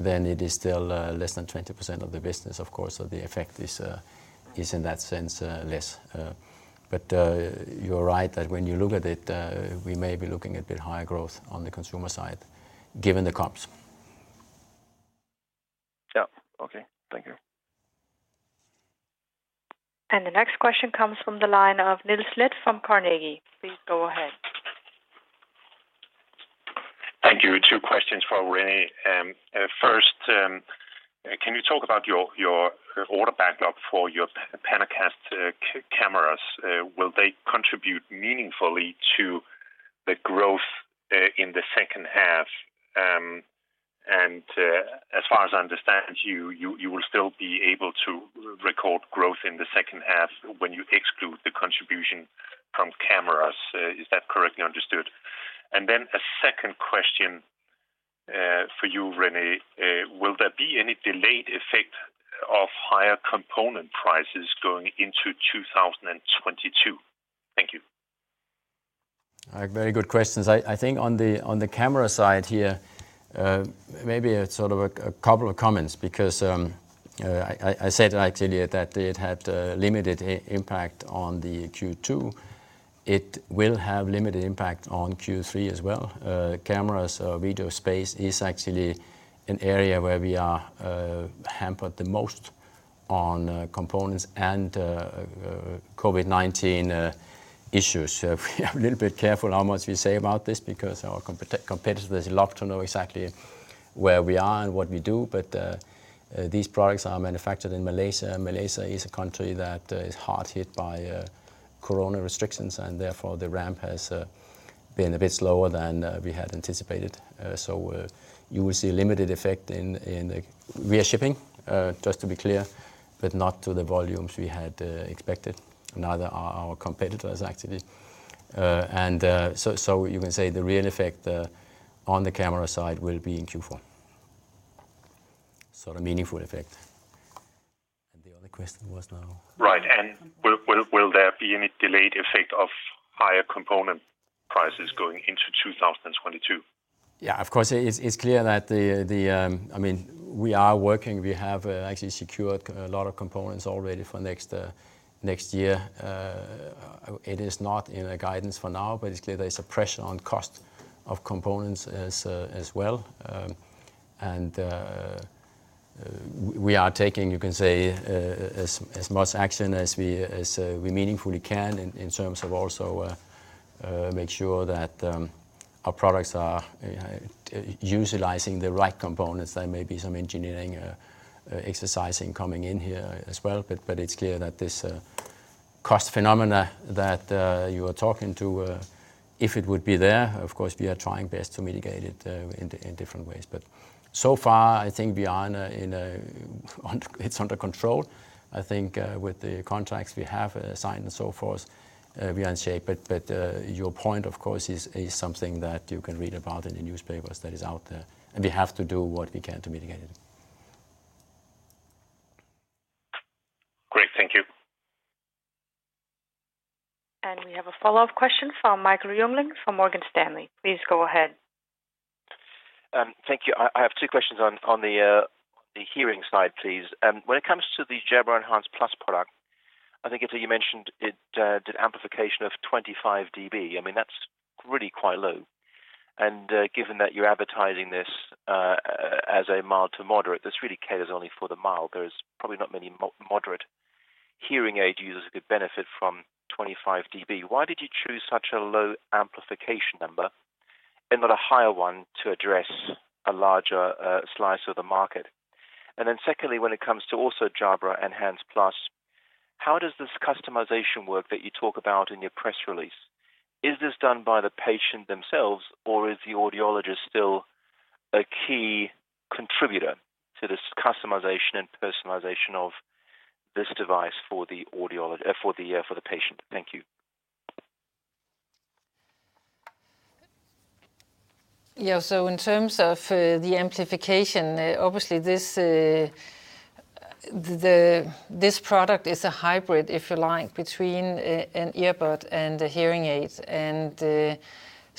than it is still less than 20% of the business, of course. The effect is in that sense less. You're right that when you look at it, we may be looking at a bit higher growth on the consumer side, given the comps. Yeah. Okay. Thank you. The next question comes from the line of Niels Granholm-Leth from Carnegie. Please go ahead. Thank you. Two questions for René. First, can you talk about your order backup for your PanaCast cameras? Will they contribute meaningfully to the growth in the second half? As far as I understand you will still be able to record growth in the second half when you exclude the contribution from cameras. Is that correctly understood? A second question for you, René. Will there be any delayed effect of higher component prices going into 2022? Thank you. All right. Very good questions. I think on the camera side here, maybe sort of a couple of comments because, I said actually that it had limited impact on the Q2. It will have limited impact on Q3 as well. Cameras, video space is actually an area where we are hampered the most on components and COVID-19 issues. We are a little bit careful how much we say about this because our competitors love to know exactly where we are and what we do. These products are manufactured in Malaysia, and Malaysia is a country that is hard hit by corona restrictions, and therefore the ramp has been a bit slower than we had anticipated. You will see a limited effect in the reshipping, just to be clear, but not to the volumes we had expected. Neither are our competitors, actually. You can say the real effect on the camera side will be in Q4. Sort of meaningful effect. The other question was now? Right. Will there be any delayed effect of higher component prices going into 2022? Yeah, of course, it's clear that we are working. We have actually secured a lot of components already for next year. It is not in our guidance for now, but it's clear there's a pressure on cost of components as well. We are taking, you can say, as much action as we meaningfully can in terms of also make sure that our products are utilizing the right components. There may be some engineering exercising coming in here as well. It's clear that this cost phenomena that you are talking to, if it would be there, of course, we are trying best to mitigate it in different ways. So far, I think it's under control. I think with the contracts we have signed and so forth, we are in shape. Your point, of course, is something that you can read about in the newspapers that is out there, and we have to do what we can to mitigate it. Great. Thank you. We have a follow-up question from Michael Jüngling from Morgan Stanley. Please go ahead. Thank you. I have two questions on the hearing side, please. When it comes to the Jabra Enhance Plus product, I think it's you mentioned it did amplification of 25 dB. That's really quite low. Given that you're advertising this as a mild to moderate, this really caters only for the mild. There's probably not many moderate hearing aid users who could benefit from 25 dB. Why did you choose such a low amplification number and not a higher one to address a larger slice of the market? Secondly, when it comes to also Jabra Enhance Plus, how does this customization work that you talk about in your press release? Is this done by the patient themselves, or is the audiologist still a key contributor to this customization and personalization of this device for the patient? Thank you. Yeah. In terms of the amplification, obviously this product is a hybrid, if you like, between an earbud and a hearing aid.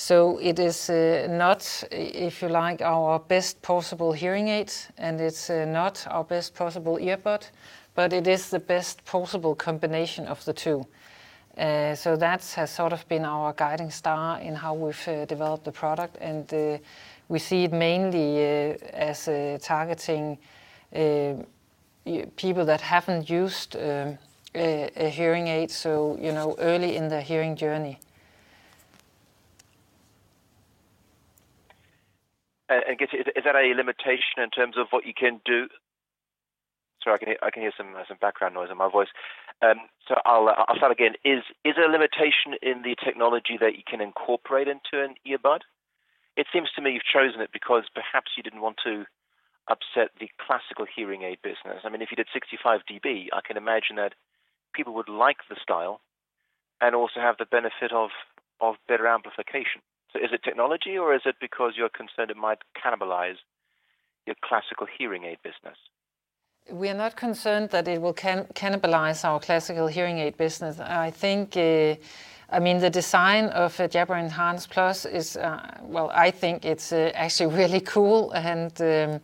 It is not, if you like, our best possible hearing aid, and it's not our best possible earbud, but it is the best possible combination of the two. That has sort of been our guiding star in how we've developed the product, and we see it mainly as targeting people that haven't used a hearing aid, so early in their hearing journey. Gitte, is there any limitation in terms of what you can do? Sorry, I can hear some background noise in my voice. I'll start again. Is there a limitation in the technology that you can incorporate into an earbud? It seems to me you've chosen it because perhaps you didn't want to upset the classical hearing aid business. If you did 65 dB, I can imagine that people would like the style and also have the benefit of better amplification. Is it technology, or is it because you're concerned it might cannibalize your classical hearing aid business? We are not concerned that it will cannibalize our classical hearing aid business. I think the design of a Jabra Enhance Plus is, well, I think it's actually really cool and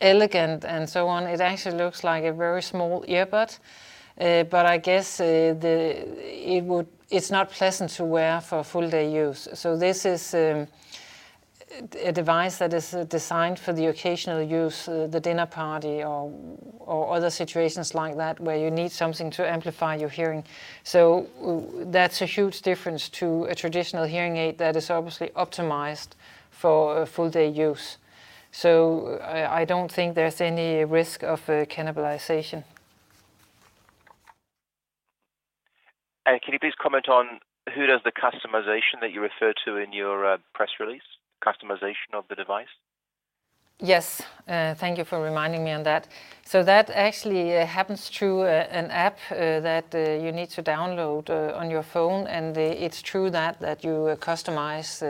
elegant and so on. It actually looks like a very small earbud. I guess it's not pleasant to wear for full-day use. This is a device that is designed for the occasional use, the dinner party or other situations like that where you need something to amplify your hearing. That's a huge difference to a traditional hearing aid that is obviously optimized for full-day use. I don't think there's any risk of cannibalization. Can you please comment on who does the customization that you referred to in your press release, customization of the device? Thank you for reminding me on that. That actually happens through an app that you need to download on your phone, and it's through that that you customize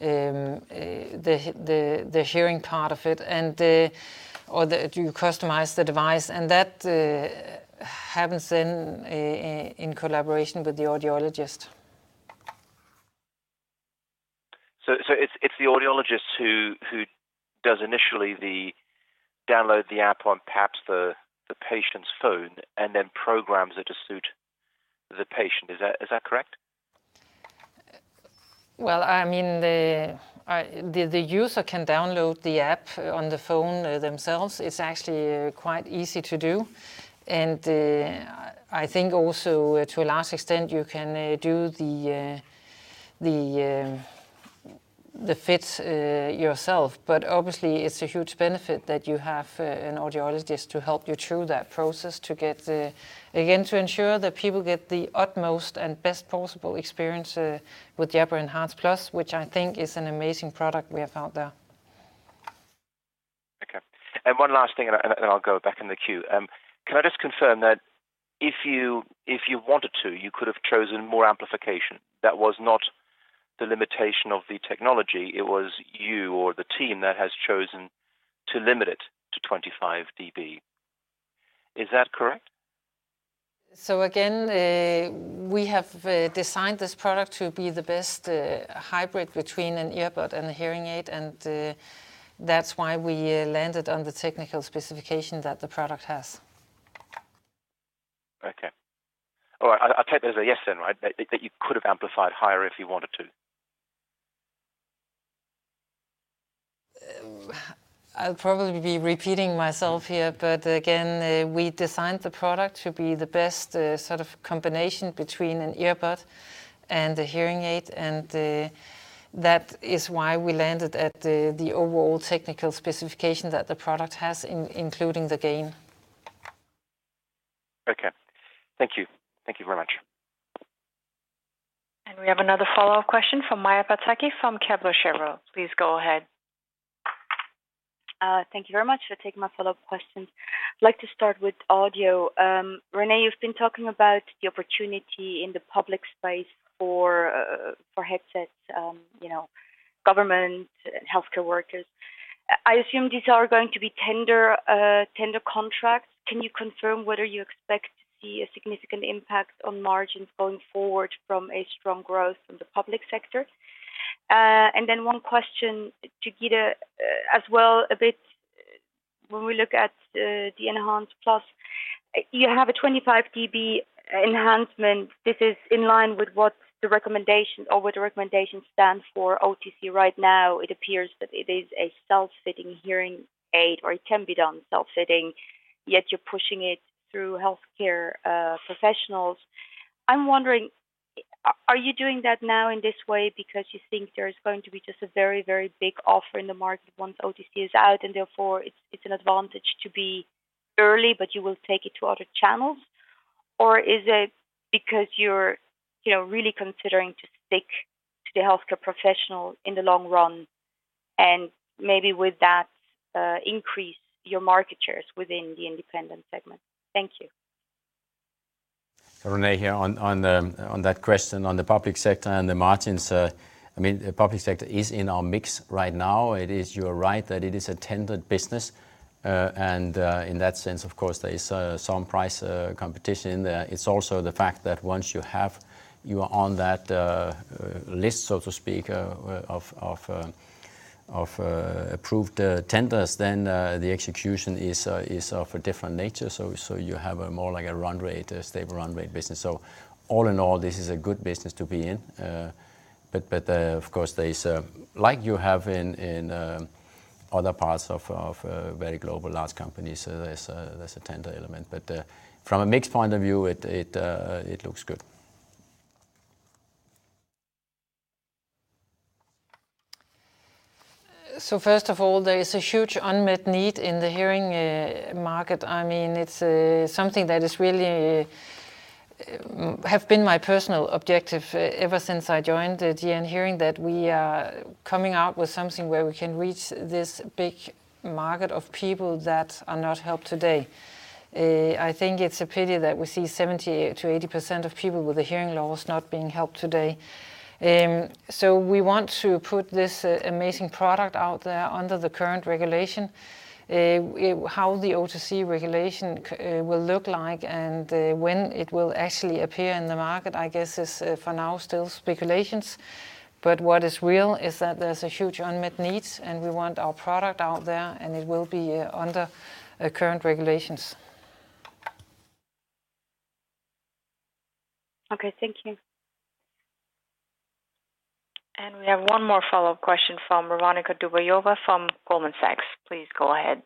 the hearing part of it or that you customize the device. That happens in collaboration with the audiologist. It's the audiologist who does initially the download the app on perhaps the patient's phone and then programs it to suit the patient. Is that correct? The user can download the app on the phone themselves. It's actually quite easy to do, and I think also to a large extent you can do the fit yourself. Obviously it's a huge benefit that you have an audiologist to help you through that process to get the, again, to ensure that people get the utmost and best possible experience with Jabra Enhance Plus, which I think is an amazing product we have out there. Okay. One last thing, then I'll go back in the queue. Can I just confirm that if you wanted to, you could have chosen more amplification? That was not the limitation of the technology. It was you or the team that has chosen to limit it to 25 dB. Is that correct? Again, we have designed this product to be the best hybrid between an earbud and a hearing aid, and that's why we landed on the technical specification that the product has. Okay. All right. I'll take that as a yes then, right? That you could have amplified higher if you wanted to. I'll probably be repeating myself here, but again, we designed the product to be the best sort of combination between an earbud and a hearing aid, and that is why we landed at the overall technical specification that the product has, including the gain. Okay. Thank you. Thank you very much. We have another follow-up question from Maja Pataki from Kepler Cheuvreux. Please go ahead. Thank you very much. I'll take my follow-up questions. I'd like to start with audio. René, you've been talking about the opportunity in the public space for headsets, government and healthcare workers. I assume these are going to be tender contracts. Can you confirm whether you expect to see a significant impact on margins going forward from a strong growth from the public sector? Then one question to Gitte as well, a bit when we look at the Jabra Enhance Plus, you have a 25 dB enhancement. This is in line with what the recommendation or what the recommendation stands for OTC right now. It appears that it is a self-fitting hearing aid, or it can be done self-fitting, yet you're pushing it through healthcare professionals. I'm wondering, are you doing that now in this way because you think there's going to be just a very, very big offer in the market once OTC is out, and therefore it's an advantage to be early, but you will take it to other channels? Or is it because you're really considering to stick to the healthcare professional in the long run and maybe with that increase your market shares within the independent segment? Thank you. René here on that question on the public sector and the margins. The public sector is in our mix right now. You are right that it is a tendered business. In that sense, of course, there is some price competition there. It's also the fact that once you are on that list, so to speak, of approved tenders, then the execution is of a different nature. You have more like a stable run rate business. All in all, this is a good business to be in. Of course, there is, like you have in other parts of very global large companies, there's a tender element. From a mix point of view, it looks good. First of all, there is a huge unmet need in the hearing market. It's something that has really been my personal objective ever since I joined GN Hearing, that we are coming out with something where we can reach this big market of people that are not helped today. I think it's a pity that we see 70%-80% of people with hearing loss not being helped today. We want to put this amazing product out there under the current regulation. How the OTC regulation will look like and when it will actually appear in the market, I guess is for now still speculations. What is real is that there's a huge unmet need, and we want our product out there, and it will be under the current regulations. Okay. Thank you. We have one more follow-up question from Veronika Dubajova from Goldman Sachs. Please go ahead.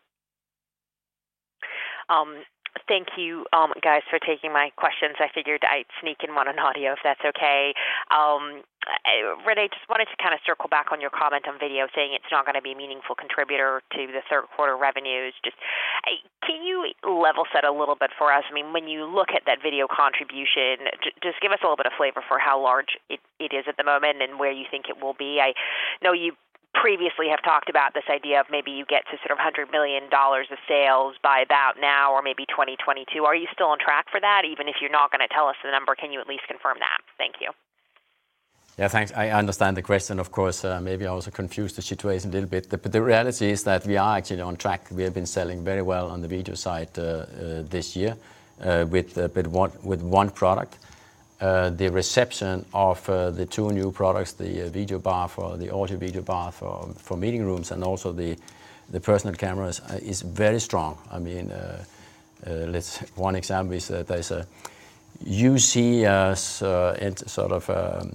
Thank you guys for taking my questions. I figured I'd sneak in one on audio, if that's okay. René, just wanted to kind of circle back on your comment on video saying it's not going to be a meaningful contributor to the third quarter revenues. Just can you level set a little bit for us? When you look at that video contribution, just give us a little bit of flavor for how large it is at the moment and where you think it will be. I know you previously have talked about this idea of maybe you get to sort of DKK 100 million of sales by about now or maybe 2022. Are you still on track for that? Even if you're not going to tell us the number, can you at least confirm that? Thank you. Thanks. I understand the question, of course. Maybe I also confused the situation a little bit, but the reality is that we are actually on track. We have been selling very well on the video side this year with one product. The reception of the two new products, the Jabra PanaCast 50 for meeting rooms and also the personal cameras, is very strong. One example is that you see us in sort of a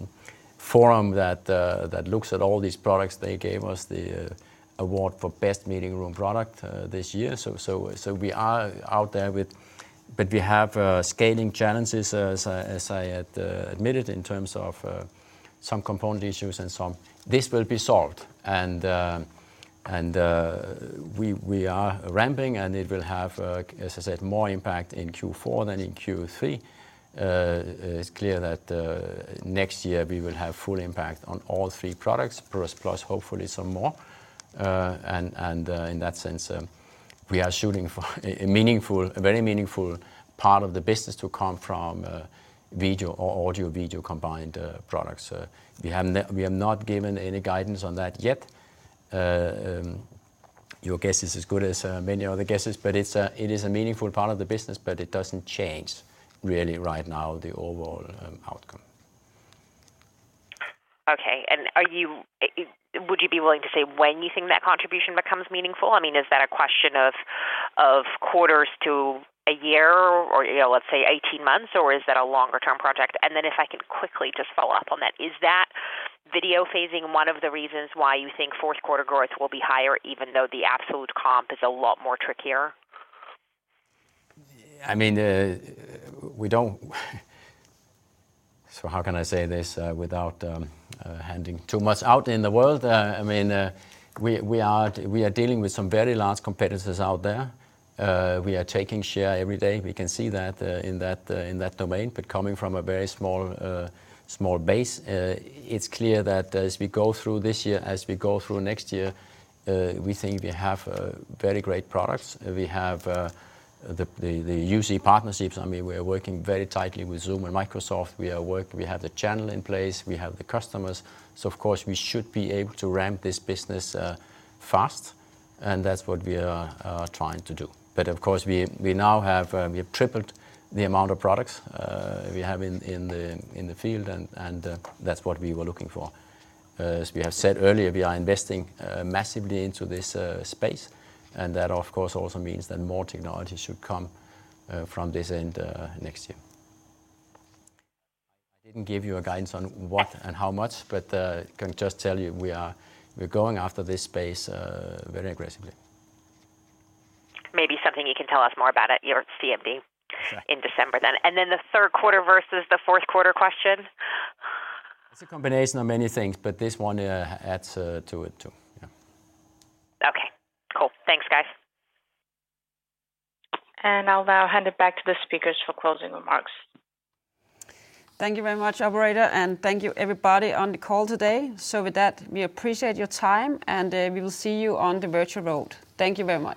forum that looks at all these products. They gave us the award for best meeting room product this year. We are out there, but we have scaling challenges, as I admitted, in terms of some component issues and so on. This will be solved, and we are ramping, and it will have, as I said, more impact in Q4 than in Q3. It's clear that next year we will have full impact on all three products, plus hopefully some more. In that sense, we are shooting for a very meaningful part of the business to come from video or audio-video combined products. We have not given any guidance on that yet. Your guess is as good as many other guesses, but it is a meaningful part of the business, but it doesn't change really right now the overall outcome. Okay. Would you be willing to say when you think that contribution becomes meaningful? Is that a question of quarters to a year or let's say 18 months, or is that a longer-term project? If I can quickly just follow up on that, is that video phasing one of the reasons why you think fourth quarter growth will be higher even though the absolute comp is a lot more trickier? How can I say this without handing too much out in the world? We are dealing with some very large competitors out there. We are taking share every day. We can see that in that domain. Coming from a very small base, it's clear that as we go through this year, as we go through next year, we think we have very great products. We have the UC partnerships. We are working very tightly with Zoom and Microsoft. We have the channel in place. We have the customers. Of course, we should be able to ramp this business fast, and that's what we are trying to do. Of course, we have tripled the amount of products we have in the field, and that's what we were looking for. As we have said earlier, we are investing massively into this space, and that of course also means that more technology should come from this end next year. I didn't give you a guidance on what and how much, but can just tell you we are going after this space very aggressively. Maybe something you can tell us more about at your CMD in December then. The third quarter versus the fourth quarter question. It's a combination of many things, but this one adds to it, too. Yeah. Okay. Cool. Thanks, guys. I'll now hand it back to the speakers for closing remarks. Thank you very much, operator, and thank you everybody on the call today. With that, we appreciate your time, and we will see you on the Virtual Road. Thank you very much.